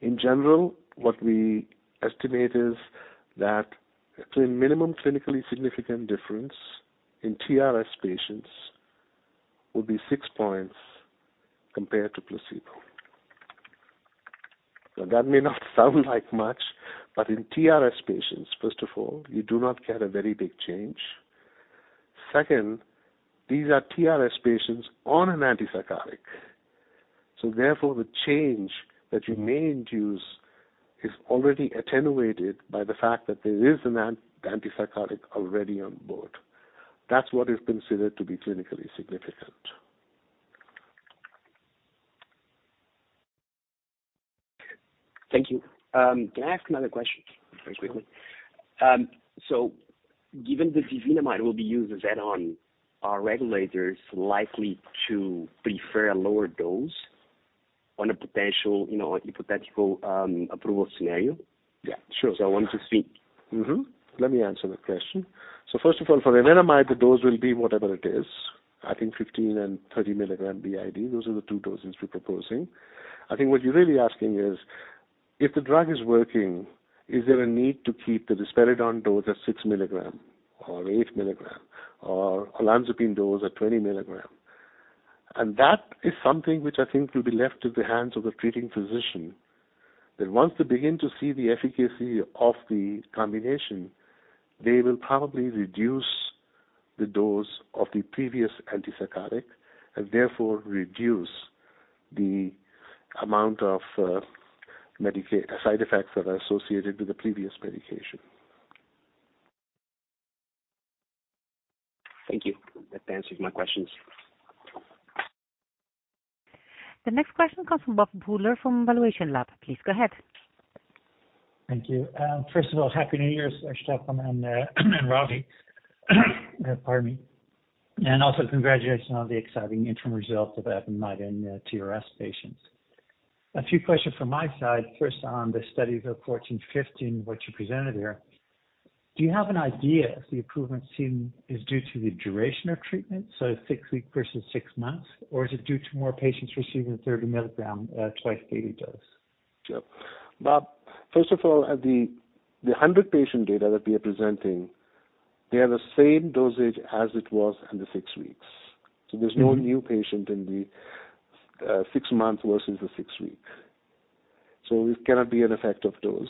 In general, what we estimate is that the minimum clinically significant difference in TRS patients will be six points compared to placebo. That may not sound like much, but in TRS patients, first of all, you do not get a very big change. Second, these are TRS patients on an antipsychotic. Therefore, the change that you may induce is already attenuated by the fact that there is an antipsychotic already on board. That's what is considered to be clinically significant. Thank you. Can I ask another question very quickly? Sure. Given that evenamide will be used as add-on, are regulators likely to prefer a lower dose on a potential hypothetical approval scenario? Yeah, sure. I wanted to see. Mm-hmm. Let me answer that question. First of all, for evenamide, the dose will be whatever it is. I think 15 and 30 milligram BID. Those are the two doses we're proposing. I think what you're really asking is, if the drug is working, is there a need to keep the risperidone dose at six milligram or eight milligram, or olanzapine dose at 20 milligram? That is something which I think will be left to the hands of the treating physician. That once they begin to see the efficacy of the combination, they will probably reduce the dose of the previous antipsychotic, and therefore reduce the amount of side effects that are associated with the previous medication. Thank you. That answers my questions. The next question comes from Bob Pooler from ValuationLAB. Please go ahead. Thank you. First of all, Happy New Year, Stefan and Ravi. Pardon me. Also congratulations on the exciting interim results of evenamide in TRS patients. A few questions from my side. First, on the studies of 014 and 015, what you presented here. Do you have an idea if the improvement seen is due to the duration of treatment, so six weeks versus six months? Or is it due to more patients receiving 30 milligram twice daily dose? Sure. Bob, first of all, the 100 patient data that we are presenting, they are the same dosage as it was in the six weeks. There's no new patient in the six months versus the six week. It cannot be an effect of dose.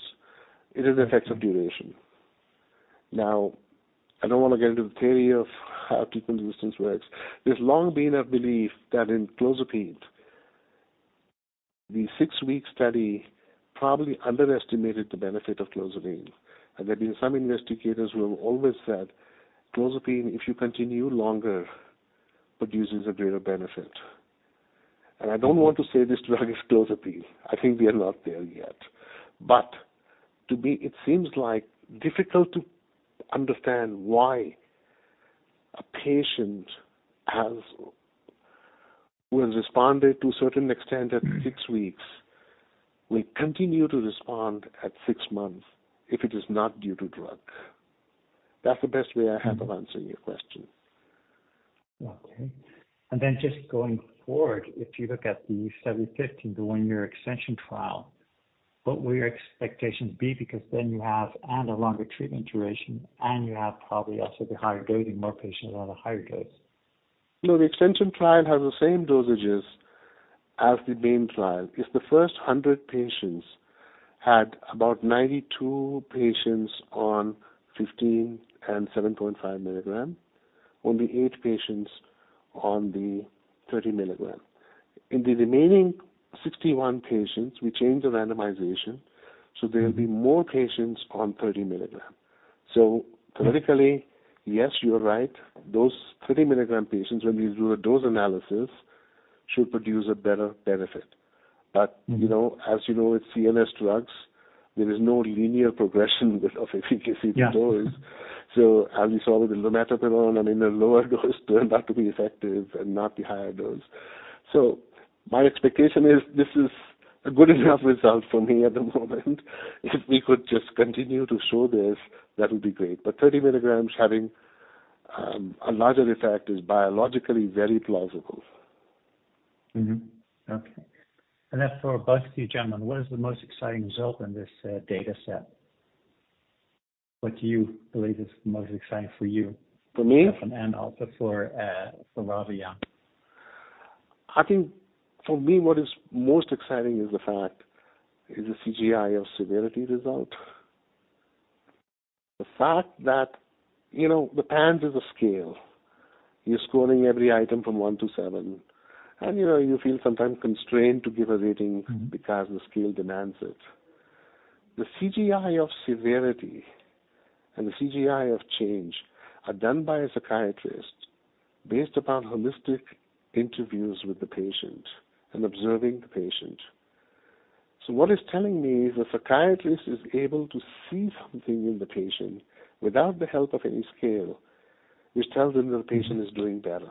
It is an effect of duration. I don't want to get into the theory of how treatment resistance works. There's long been a belief that in clozapine, the six-week study probably underestimated the benefit of clozapine. There've been some investigators who have always said, "Clozapine, if you continue longer, produces a greater benefit." I don't want to say this drug is clozapine. I think we are not there yet. To me, it seems difficult to understand why a patient who has responded to a certain extent at six weeks will continue to respond at six months if it is not due to drug. That's the best way I have of answering your question. Okay. Just going forward, if you look at Study 015, the one-year extension trial, what will your expectations be? You have and a longer treatment duration, and you have probably also the higher dosing, more patients on a higher dose. No, the extension trial has the same dosages as the main trial. If the first 100 patients had about 92 patients on 15 and 7.5 milligram, only eight patients on the 30 milligram. In the remaining 61 patients, we change the randomization, there will be more patients on 30 milligram. Theoretically, yes, you're right. Those 30-milligram patients, when we do a dose analysis, should produce a better benefit. As you know, with CNS drugs, there is no linear progression of efficacy with dose. Yeah. As you saw with the lumateperone, I mean, the lower dose turned out to be effective and not the higher dose. My expectation is this is a good enough result for me at the moment. If we could just continue to show this, that would be great. 30 milligrams having a larger effect is biologically very plausible. Okay. Then for both of you gentlemen, what is the most exciting result in this data set? What do you believe is most exciting for you? For me? Stefan. Also for Ravi Anand. I think for me, what is most exciting is the CGI of severity result. The fact that the PANSS is a scale. You're scoring every item from one to seven, and you feel sometimes constrained to give a rating because the scale demands it. The CGI of severity and the CGI of change are done by a psychiatrist based upon holistic interviews with the patient and observing the patient. What it's telling me is the psychiatrist is able to see something in the patient without the help of any scale, which tells them that the patient is doing better.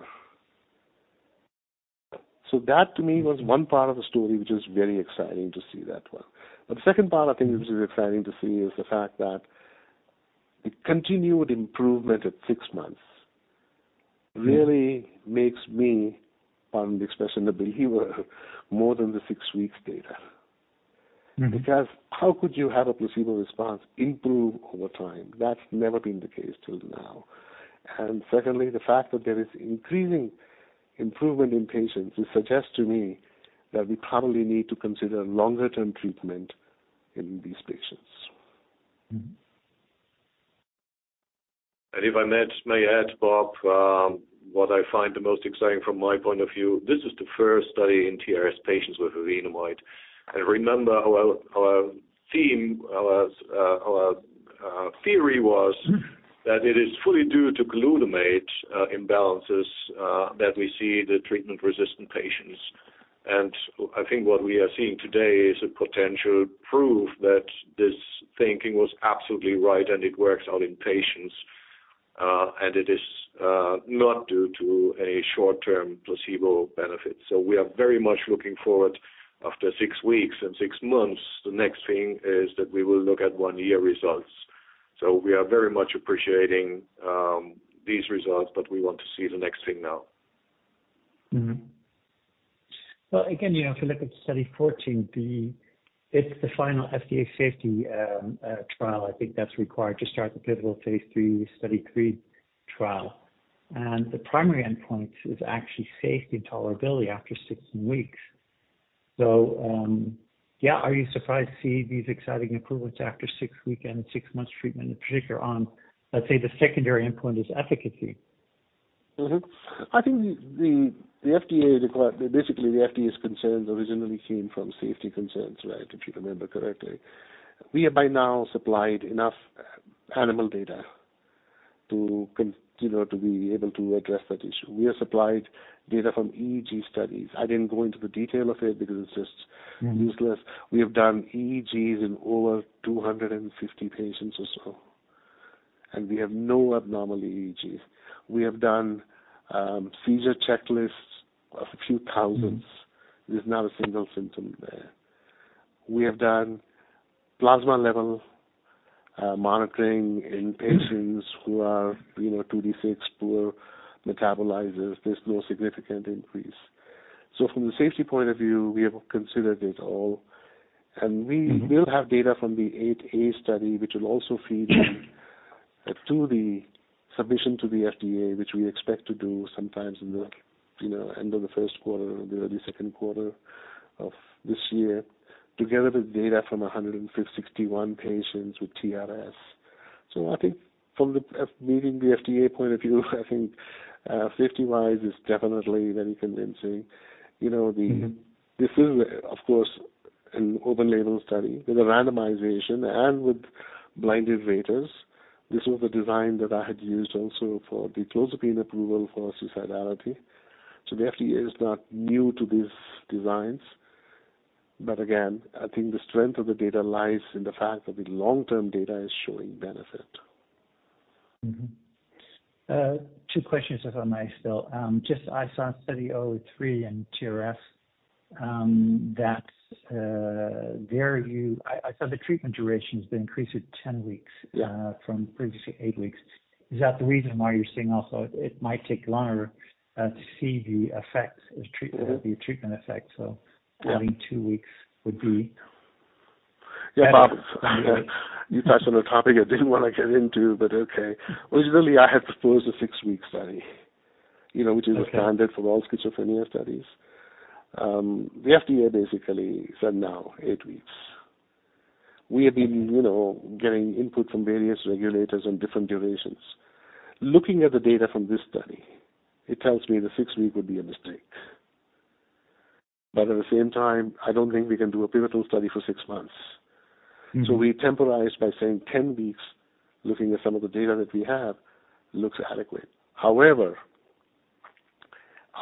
That to me was one part of the story, which is very exciting to see that one. The second part I think which is exciting to see is the fact that the continued improvement at six months really makes me, pardon the expression, the believer more than the six weeks data. How could you have a placebo response improve over time? That's never been the case till now. Secondly, the fact that there is increasing improvement in patients, it suggests to me that we probably need to consider longer-term treatment in these patients. If I may add, Bob, what I find the most exciting from my point of view, this is the first study in TRS patients with evenamide. Remember our theme, our theory was that it is fully due to glutamate imbalances that we see the treatment-resistant patients. I think what we are seeing today is a potential proof that this thinking was absolutely right and it works out in patients, and it is not due to a short-term placebo benefit. We are very much looking forward after six weeks and six months. The next thing is that we will look at one-year results. We are very much appreciating these results, but we want to see the next thing now. Well, again, if you look at Study 014, it's the final FDA safety trial. I think that's required to start the pivotal phase III Study 3 trial. The primary endpoint is actually safety and tolerability after 16 weeks. Yeah, are you surprised to see these exciting improvements after six weeks and six months treatment in particular on, let's say, the secondary endpoint is efficacy? I think basically the FDA's concerns originally came from safety concerns, right, if you remember correctly. We have by now supplied enough animal data to be able to address that issue. We have supplied data from EEG studies. I didn't go into the detail of it because it's just useless. We have done EEGs in over 250 patients or so. We have no abnormal EEGs. We have done seizure checklists of a few thousands. There's not a single symptom there. We have done plasma level monitoring in patients who are 2D6 poor metabolizers. There's no significant increase. From the safety point of view, we have considered it all. We will have data from the Study 008A, which will also feed into the submission to the FDA, which we expect to do sometimes in the end of the first quarter or the early second quarter of this year, together with data from 161 patients with TRS. From the meeting the FDA point of view, I think safety-wise, it's definitely very convincing. This is, of course, an open-label study with a randomization and with blinded raters. This was a design that I had used also for the clozapine approval for suicidality. The FDA is not new to these designs. Again, I think the strength of the data lies in the fact that the long-term data is showing benefit. Mm-hmm. Two questions, if I may still. I saw Study 003 in TRS. I saw the treatment duration has been increased to 10 weeks- Yeah from previously eight weeks. Is that the reason why you're saying also it might take longer to see the treatment effect? Yeah adding two weeks would be better. Yeah, Bob. You touched on a topic I didn't want to get into, but okay. Originally, I had proposed a six-week study- Okay which is the standard for all schizophrenia studies. The FDA basically said no, eight weeks. We have been getting input from various regulators on different durations. Looking at the data from this study, it tells me the six-week would be a mistake. At the same time, I don't think we can do a pivotal study for six months. We temporized by saying 10 weeks, looking at some of the data that we have, looks adequate. However,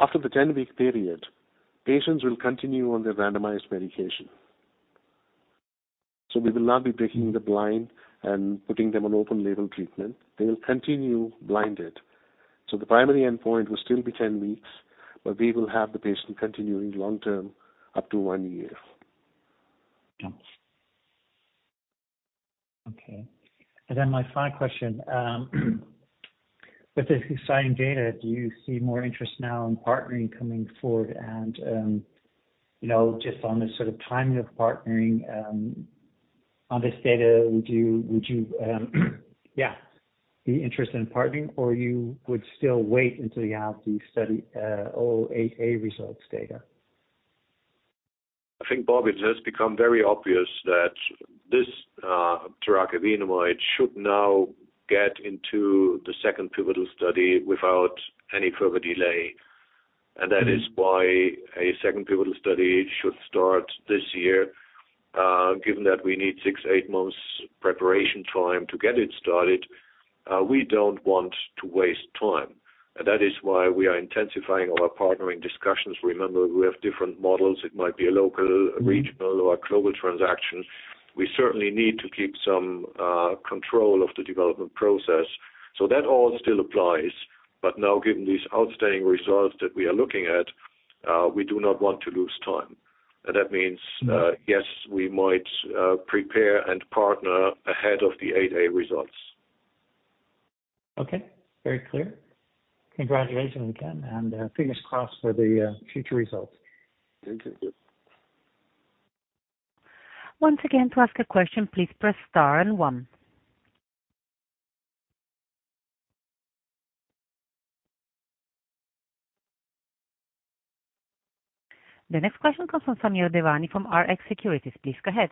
after the 10-week period, patients will continue on their randomized medication. We will not be breaking the blind and putting them on open-label treatment. They will continue blinded. The primary endpoint will still be 10 weeks, but we will have the patient continuing long-term up to one year. Okay. My final question. With this exciting data, do you see more interest now in partnering coming forward and just on the sort of timing of partnering on this data, would you yeah, be interested in partnering, or you would still wait until you have the Study 008A results data? I think, Bob, it has become very obvious that this evenamide should now get into the second pivotal study without any further delay. That is why a second pivotal study should start this year, given that we need six, eight months preparation time to get it started. We don't want to waste time. That is why we are intensifying our partnering discussions. Remember, we have different models. It might be a local, regional, or global transaction. We certainly need to keep some control of the development process. That all still applies. Now, given these outstanding results that we are looking at, we do not want to lose time. Yes, we might prepare and partner ahead of the 8A results. Okay. Very clear. Congratulations again, fingers crossed for the future results. Thank you. Once again, to ask a question, please press star and one. The next question comes from Samir Devani from Rx Securities. Please go ahead.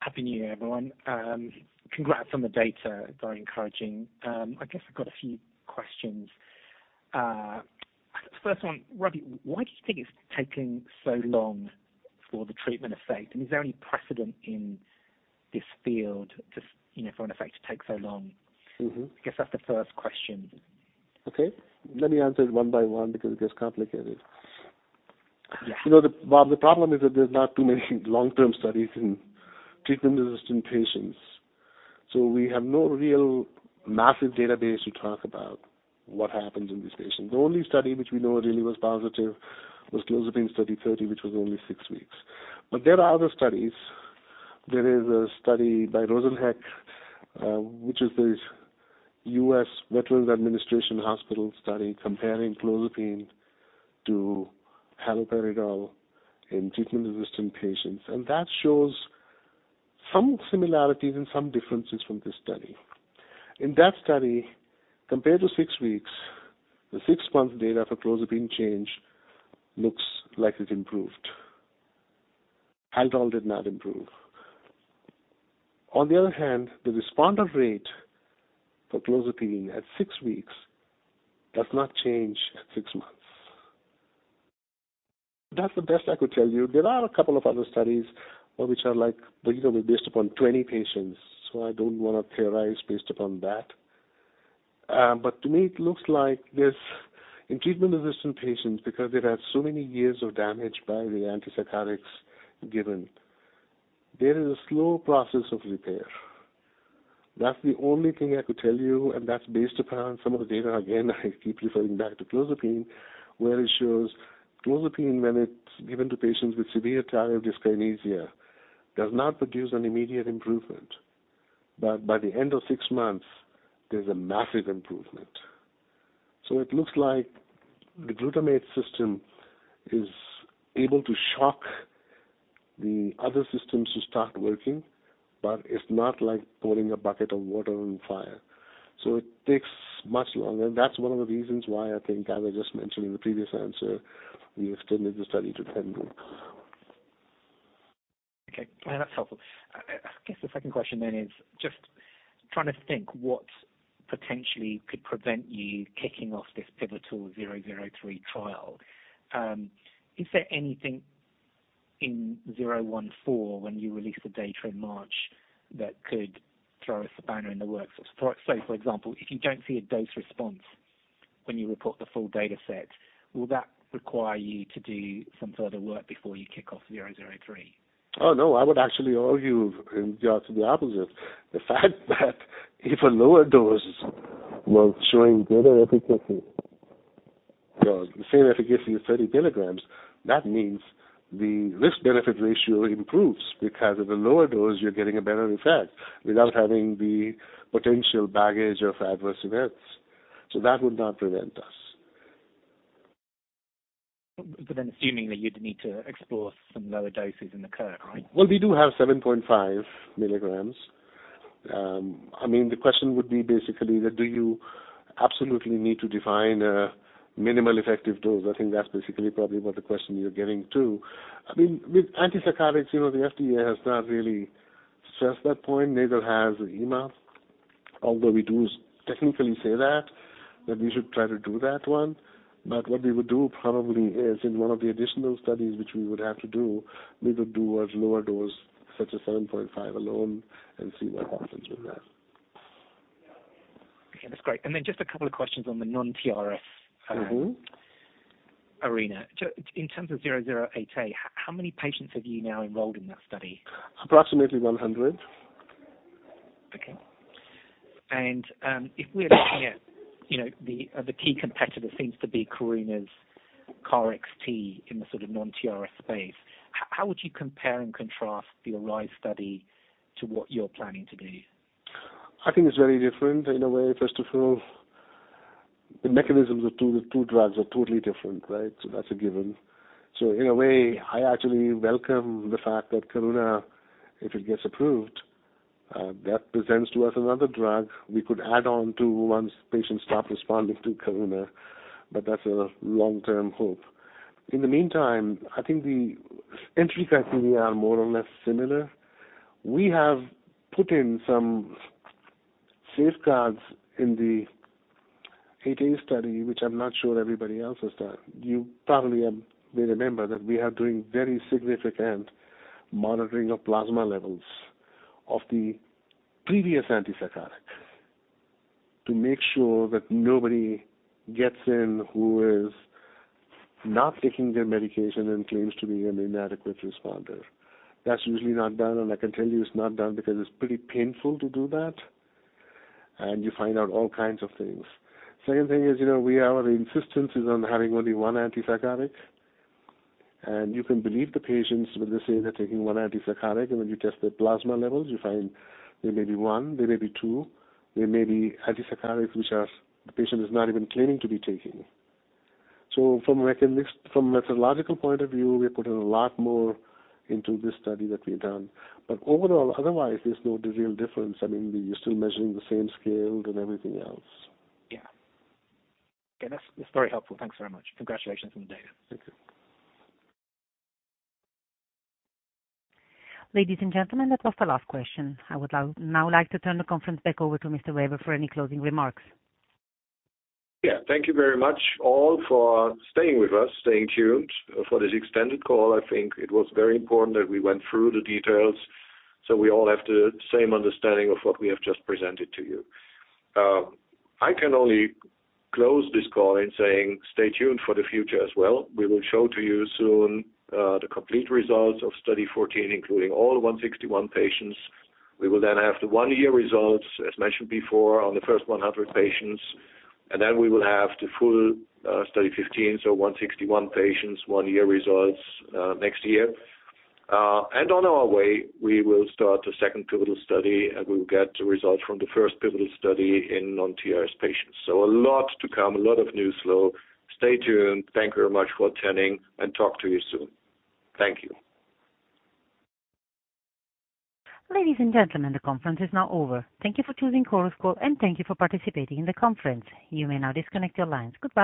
Happy New Year, everyone. Congrats on the data. Very encouraging. I guess I've got a few questions. First one, Ravi, why do you think it's taking so long for the treatment effect, and is there any precedent in this field for an effect to take so long? I guess that's the first question. Okay. Let me answer it one by one because it gets complicated. Yeah. The problem is that there's not too many long-term studies in treatment-resistant patients. We have no real massive database to talk about what happens in these patients. The only study which we know really was positive was clozapine Study 30, which was only six weeks. There are other studies. There is a study by Rosenheck, which is this U.S. Veterans Administration hospital study comparing clozapine to haloperidol in treatment-resistant patients, and that shows some similarities and some differences from this study. In that study, compared to six weeks, the six months data for clozapine change looks like it improved. Haldol did not improve. On the other hand, the responder rate for clozapine at six weeks does not change at six months. That's the best I could tell you. There are a couple of other studies which are based upon 20 patients, I don't want to theorize based upon that. To me, it looks like this, in treatment-resistant patients, because they've had so many years of damage by the antipsychotics given, there is a slow process of repair. That's the only thing I could tell you, and that's based upon some of the data. Again, I keep referring back to clozapine, where it shows clozapine, when it's given to patients with severe tardive dyskinesia, does not produce an immediate improvement. By the end of six months, there's a massive improvement. It looks like the glutamate system is able to shock the other systems to start working, but it's not like pouring a bucket of water on fire. It takes much longer. That's one of the reasons why I think, as I just mentioned in the previous answer, we extended the study to 10 weeks. Okay. That's helpful. I guess the second question then is just trying to think what potentially could prevent you kicking off this pivotal 003 trial. Is there anything in 014 when you release the data in March that could throw us a spanner in the works? For example, if you don't see a dose response when you report the full data set, will that require you to do some further work before you kick off 003? No. I would actually argue in just the opposite. The fact that even lower doses were showing better efficacy, well, the same efficacy as 30 milligrams, that means the risk-benefit ratio improves. At a lower dose, you're getting a better effect without having the potential baggage of adverse events. That would not prevent us. Assuming that you'd need to explore some lower doses in the current, right? Well, we do have 7.5 milligrams. The question would be basically that do you absolutely need to define a minimal effective dose? I think that's basically probably what the question you're getting to. With antipsychotics, the FDA has not really stressed that point. Neither has EMA, although we do technically say that we should try to do that one. What we would do probably is in one of the additional studies which we would have to do, we would do a lower dose, such as 7.5 alone, and see what happens with that. Okay, that's great. Just a couple of questions on the non-TRS- arena. In terms of 008A, how many patients have you now enrolled in that study? Approximately 100. Okay. If we're looking at the key competitor seems to be Karuna's KarXT in the sort of non-TRS space, how would you compare and contrast the ARISE study to what you're planning to do? I think it's very different in a way. First of all, the mechanisms of the two drugs are totally different, right? That's a given. In a way, I actually welcome the fact that Karuna, if it gets approved, that presents to us another drug we could add on to once patients stop responding to Karuna, but that's a long-term hope. In the meantime, I think the entry criteria are more or less similar. We have put in some safeguards in the [18 study], which I'm not sure everybody else has done. You probably may remember that we are doing very significant monitoring of plasma levels of the previous antipsychotic to make sure that nobody gets in who is not taking their medication and claims to be an inadequate responder. That's usually not done, and I can tell you it's not done because it's pretty painful to do that, and you find out all kinds of things. Second thing is, our insistence is on having only one antipsychotic. You can believe the patients when they say they're taking one antipsychotic, and when you test their plasma levels, you find there may be one, there may be two, there may be antipsychotics which the patient is not even claiming to be taking. From methodological point of view, we put in a lot more into this study that we've done. Overall, otherwise, there's no real difference. We're still measuring the same scale and everything else. Yeah. Okay. That's very helpful. Thanks very much. Congratulations on the data. Thank you. Ladies and gentlemen, that was the last question. I would now like to turn the conference back over to Mr. Weber for any closing remarks. Yeah. Thank you very much all for staying with us, staying tuned for this extended call. I think it was very important that we went through the details so we all have the same understanding of what we have just presented to you. I can only close this call in saying stay tuned for the future as well. We will show to you soon the complete results of Study 014, including all 161 patients. We will then have the one-year results, as mentioned before, on the first 100 patients. We will then have the full Study 015, so 161 patients, one-year results, next year. On our way, we will start the second pivotal study, and we will get the results from the first pivotal study in non-TRS patients. A lot to come, a lot of news flow. Stay tuned. Thank you very much for attending, talk to you soon. Thank you. Ladies and gentlemen, the conference is now over. Thank you for choosing Chorus Call, thank you for participating in the conference. You may now disconnect your lines. Goodbye